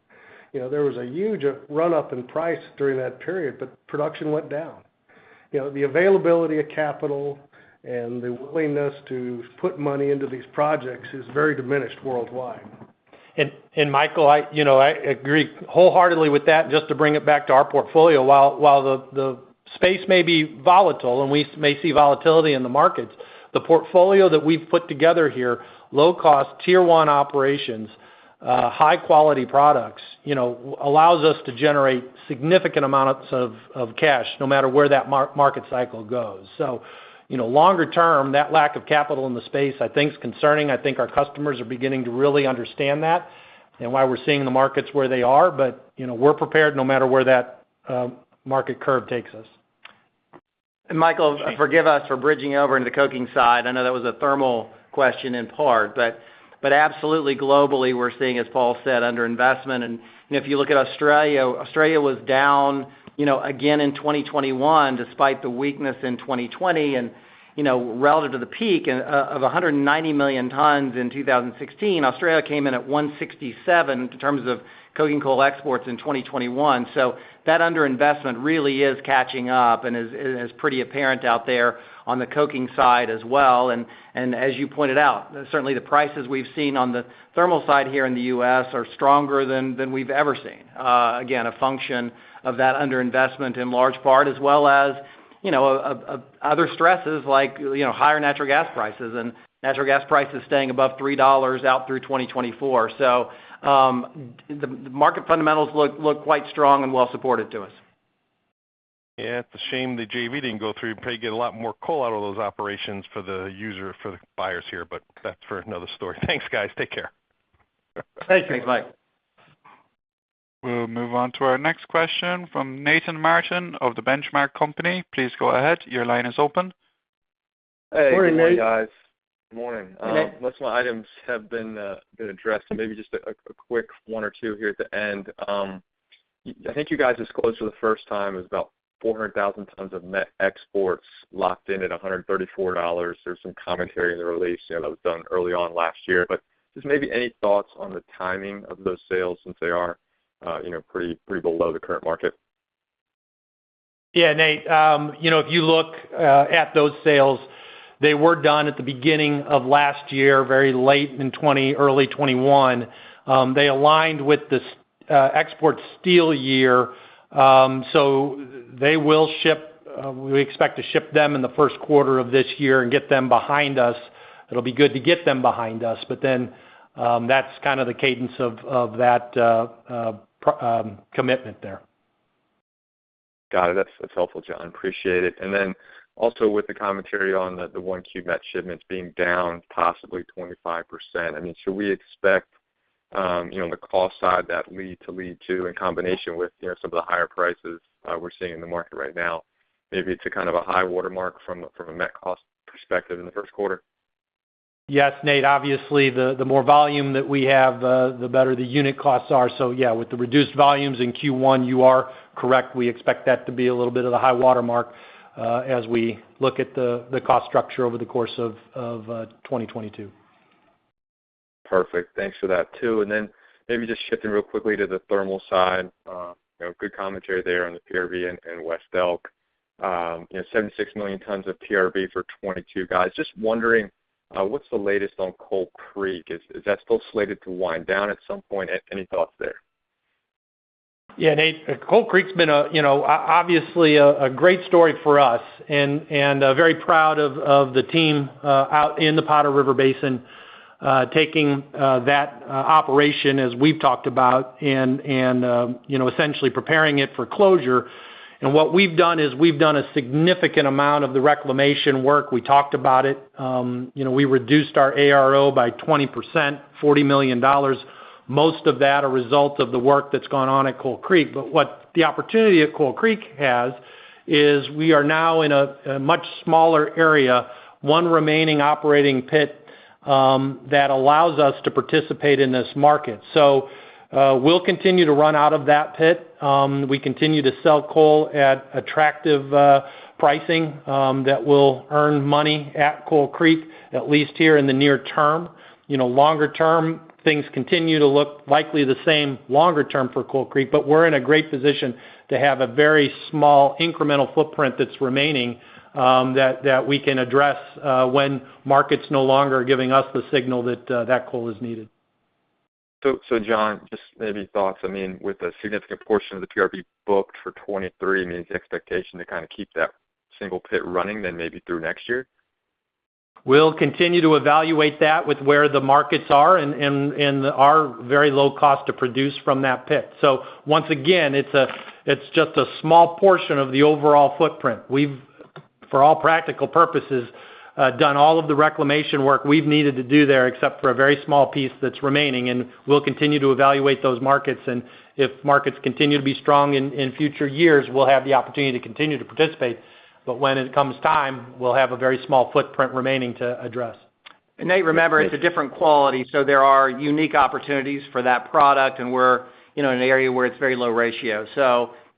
You know, there was a huge run-up in price during that period, but production went down. You know, the availability of capital and the willingness to put money into these projects is very diminished worldwide. Michael, you know, I agree wholeheartedly with that. Just to bring it back to our portfolio, while the space may be volatile and we may see volatility in the markets, the portfolio that we've put together here, low cost, Tier 1 operations, high-quality products, you know, allows us to generate significant amounts of cash, no matter where that market cycle goes. You know, longer term, that lack of capital in the space I think is concerning. I think our customers are beginning to really understand that and why we're seeing the markets where they are. You know, we're prepared no matter where that market curve takes us. Michael, forgive us for bridging over into the coking side. I know that was a thermal question in part, but but absolutely globally, we're seeing, as Paul said, under-investment. You know, if you look at Australia, Australia was down, you know, again in 2021 despite the weakness in 2020. You know, relative to the peak of 190 million tons in 2016, Australia came in at 167 million tons in terms of coking coal exports in 2021. That under-investment really is catching up and it is pretty apparent out there on the coking side as well. As you pointed out, certainly the prices we've seen on the thermal side here in the U.S. are stronger than we've ever seen. Again, a function of that under-investment in large part, as well as, you know, other stresses like, you know, higher natural gas prices and natural gas prices staying above $3 out through 2024. The market fundamentals look quite strong and well supported to us. Yeah. It's a shame the JV didn't go through. You'd probably get a lot more coal out of those operations for the user, for the buyers here, but that's for another story. Thanks, guys. Take care. Thank you. Thanks, Mike. We'll move on to our next question from Nathan Martin of The Benchmark Company. Please go ahead. Your line is open. Morning, Nate. Hey, good morning, guys. Good morning. Nate. Most of my items have been addressed. Maybe just a quick one or two here at the end. I think you guys disclosed for the first time it was about 400,000 tons of met exports locked in at $134. There was some commentary in the release, you know, that was done early on last year. Just maybe any thoughts on the timing of those sales since they are, you know, pretty below the current market? Yeah, Nate. You know, if you look at those sales, they were done at the beginning of last year, very late in 2020, early 2021. They aligned with this export steel year. They will ship, we expect to ship them in the first quarter of this year and get them behind us. It'll be good to get them behind us, but then that's kind of the cadence of that commitment there. Got it. That's helpful, John. Appreciate it. Then also with the commentary on the 1Q met shipments being down possibly 25%, I mean, should we expect, you know, on the cost side that leads to lower, too in combination with, you know, some of the higher prices we're seeing in the market right now? Maybe it's a kind of a high watermark from a met cost perspective in the first quarter. Yes, Nate. Obviously, the more volume that we have, the better the unit costs are. Yeah, with the reduced volumes in Q1, you are correct. We expect that to be a little bit of the high watermark, as we look at the cost structure over the course of 2022. Perfect. Thanks for that too. Maybe just shifting real quickly to the thermal side. You know, good commentary there on the PRB and West Elk. You know, 76 million tons of PRB for 2022, guys. Just wondering, what's the latest on Coal Creek? Is that still slated to wind down at some point? Any thoughts there? Yeah, Nate. Coal Creek's been a you know obviously a great story for us and very proud of the team out in the Powder River Basin taking that operation as we've talked about and you know essentially preparing it for closure. What we've done is we've done a significant amount of the reclamation work. We talked about it. You know, we reduced our ARO by 20%, $40 million. Most of that a result of the work that's gone on at Coal Creek. What the opportunity at Coal Creek has is we are now in a much smaller area, one remaining operating pit that allows us to participate in this market. We'll continue to run out of that pit. We continue to sell coal at attractive pricing that will earn money at Coal Creek, at least here in the near term. You know, longer term, things continue to look likely the same longer term for Coal Creek, but we're in a great position to have a very small incremental footprint that's remaining, that we can address when market's no longer giving us the signal that that coal is needed. John, just maybe thoughts, I mean, with a significant portion of the PRB booked for 2023, I mean, is the expectation to kind of keep that single pit running then maybe through next year? We'll continue to evaluate that with where the markets are and our very low cost to produce from that pit. Once again, it's just a small portion of the overall footprint. We've, for all practical purposes, done all of the reclamation work we've needed to do there, except for a very small piece that's remaining, and we'll continue to evaluate those markets. If markets continue to be strong in future years, we'll have the opportunity to continue to participate. When it comes time, we'll have a very small footprint remaining to address. Nate, remember, it's a different quality, so there are unique opportunities for that product, and we're, you know, in an area where it's very low ratio.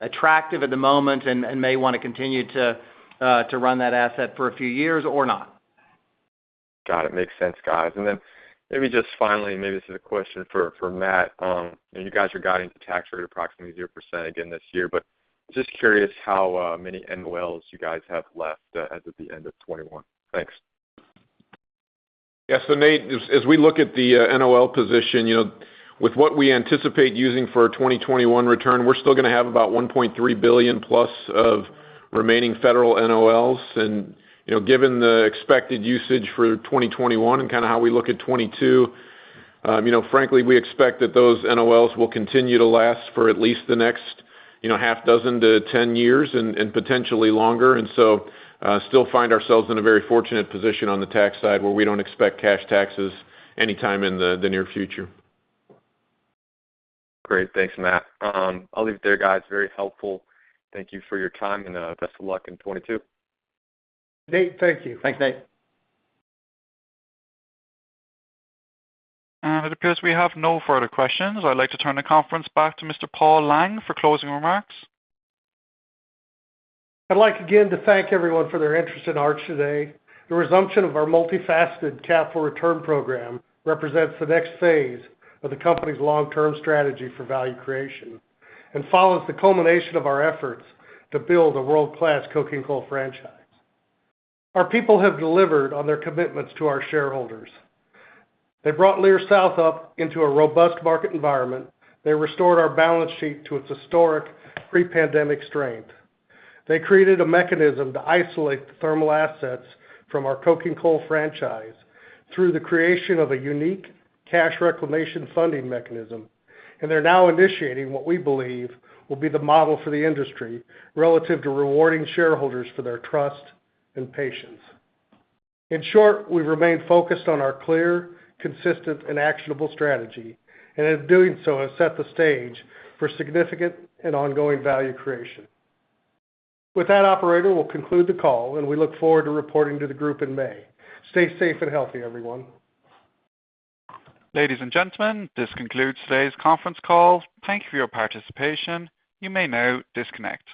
Attractive at the moment and may wanna continue to run that asset for a few years or not. Got it. Makes sense, guys. Maybe just finally, maybe this is a question for Matt. You know, you guys are guiding the tax rate approximately 0% again this year, but just curious how many NOLs you guys have left as of the end of 2021. Thanks. Yes. Nate, as we look at the NOL position, you know, with what we anticipate using for our 2021 return, we're still gonna have about $1.3 billion+ of remaining federal NOLs. You know, given the expected usage for 2021 and kinda how we look at 2022, you know, frankly, we expect that those NOLs will continue to last for at least the next, you know, half dozen to 10 years and potentially longer. Still find ourselves in a very fortunate position on the tax side where we don't expect cash taxes anytime in the near future. Great. Thanks, Matt. I'll leave it there, guys. Very helpful. Thank you for your time, and best of luck in 2022. Nate, thank you. Thanks, Nate. It appears we have no further questions. I'd like to turn the conference back to Mr. Paul Lang for closing remarks. I'd like again to thank everyone for their interest in Arch today. The resumption of our multifaceted capital return program represents the next phase of the company's long-term strategy for value creation and follows the culmination of our efforts to build a world-class coking coal franchise. Our people have delivered on their commitments to our shareholders. They brought Leer South up into a robust market environment. They restored our balance sheet to its historic pre-pandemic strength. They created a mechanism to isolate the thermal assets from our coking coal franchise through the creation of a unique cash reclamation funding mechanism. They're now initiating what we believe will be the model for the industry relative to rewarding shareholders for their trust and patience. In short, we remain focused on our clear, consistent, and actionable strategy, and in doing so have set the stage for significant and ongoing value creation. With that, operator, we'll conclude the call, and we look forward to reporting to the group in May. Stay safe and healthy, everyone. Ladies and gentlemen, this concludes today's conference call. Thank you for your participation. You may now disconnect.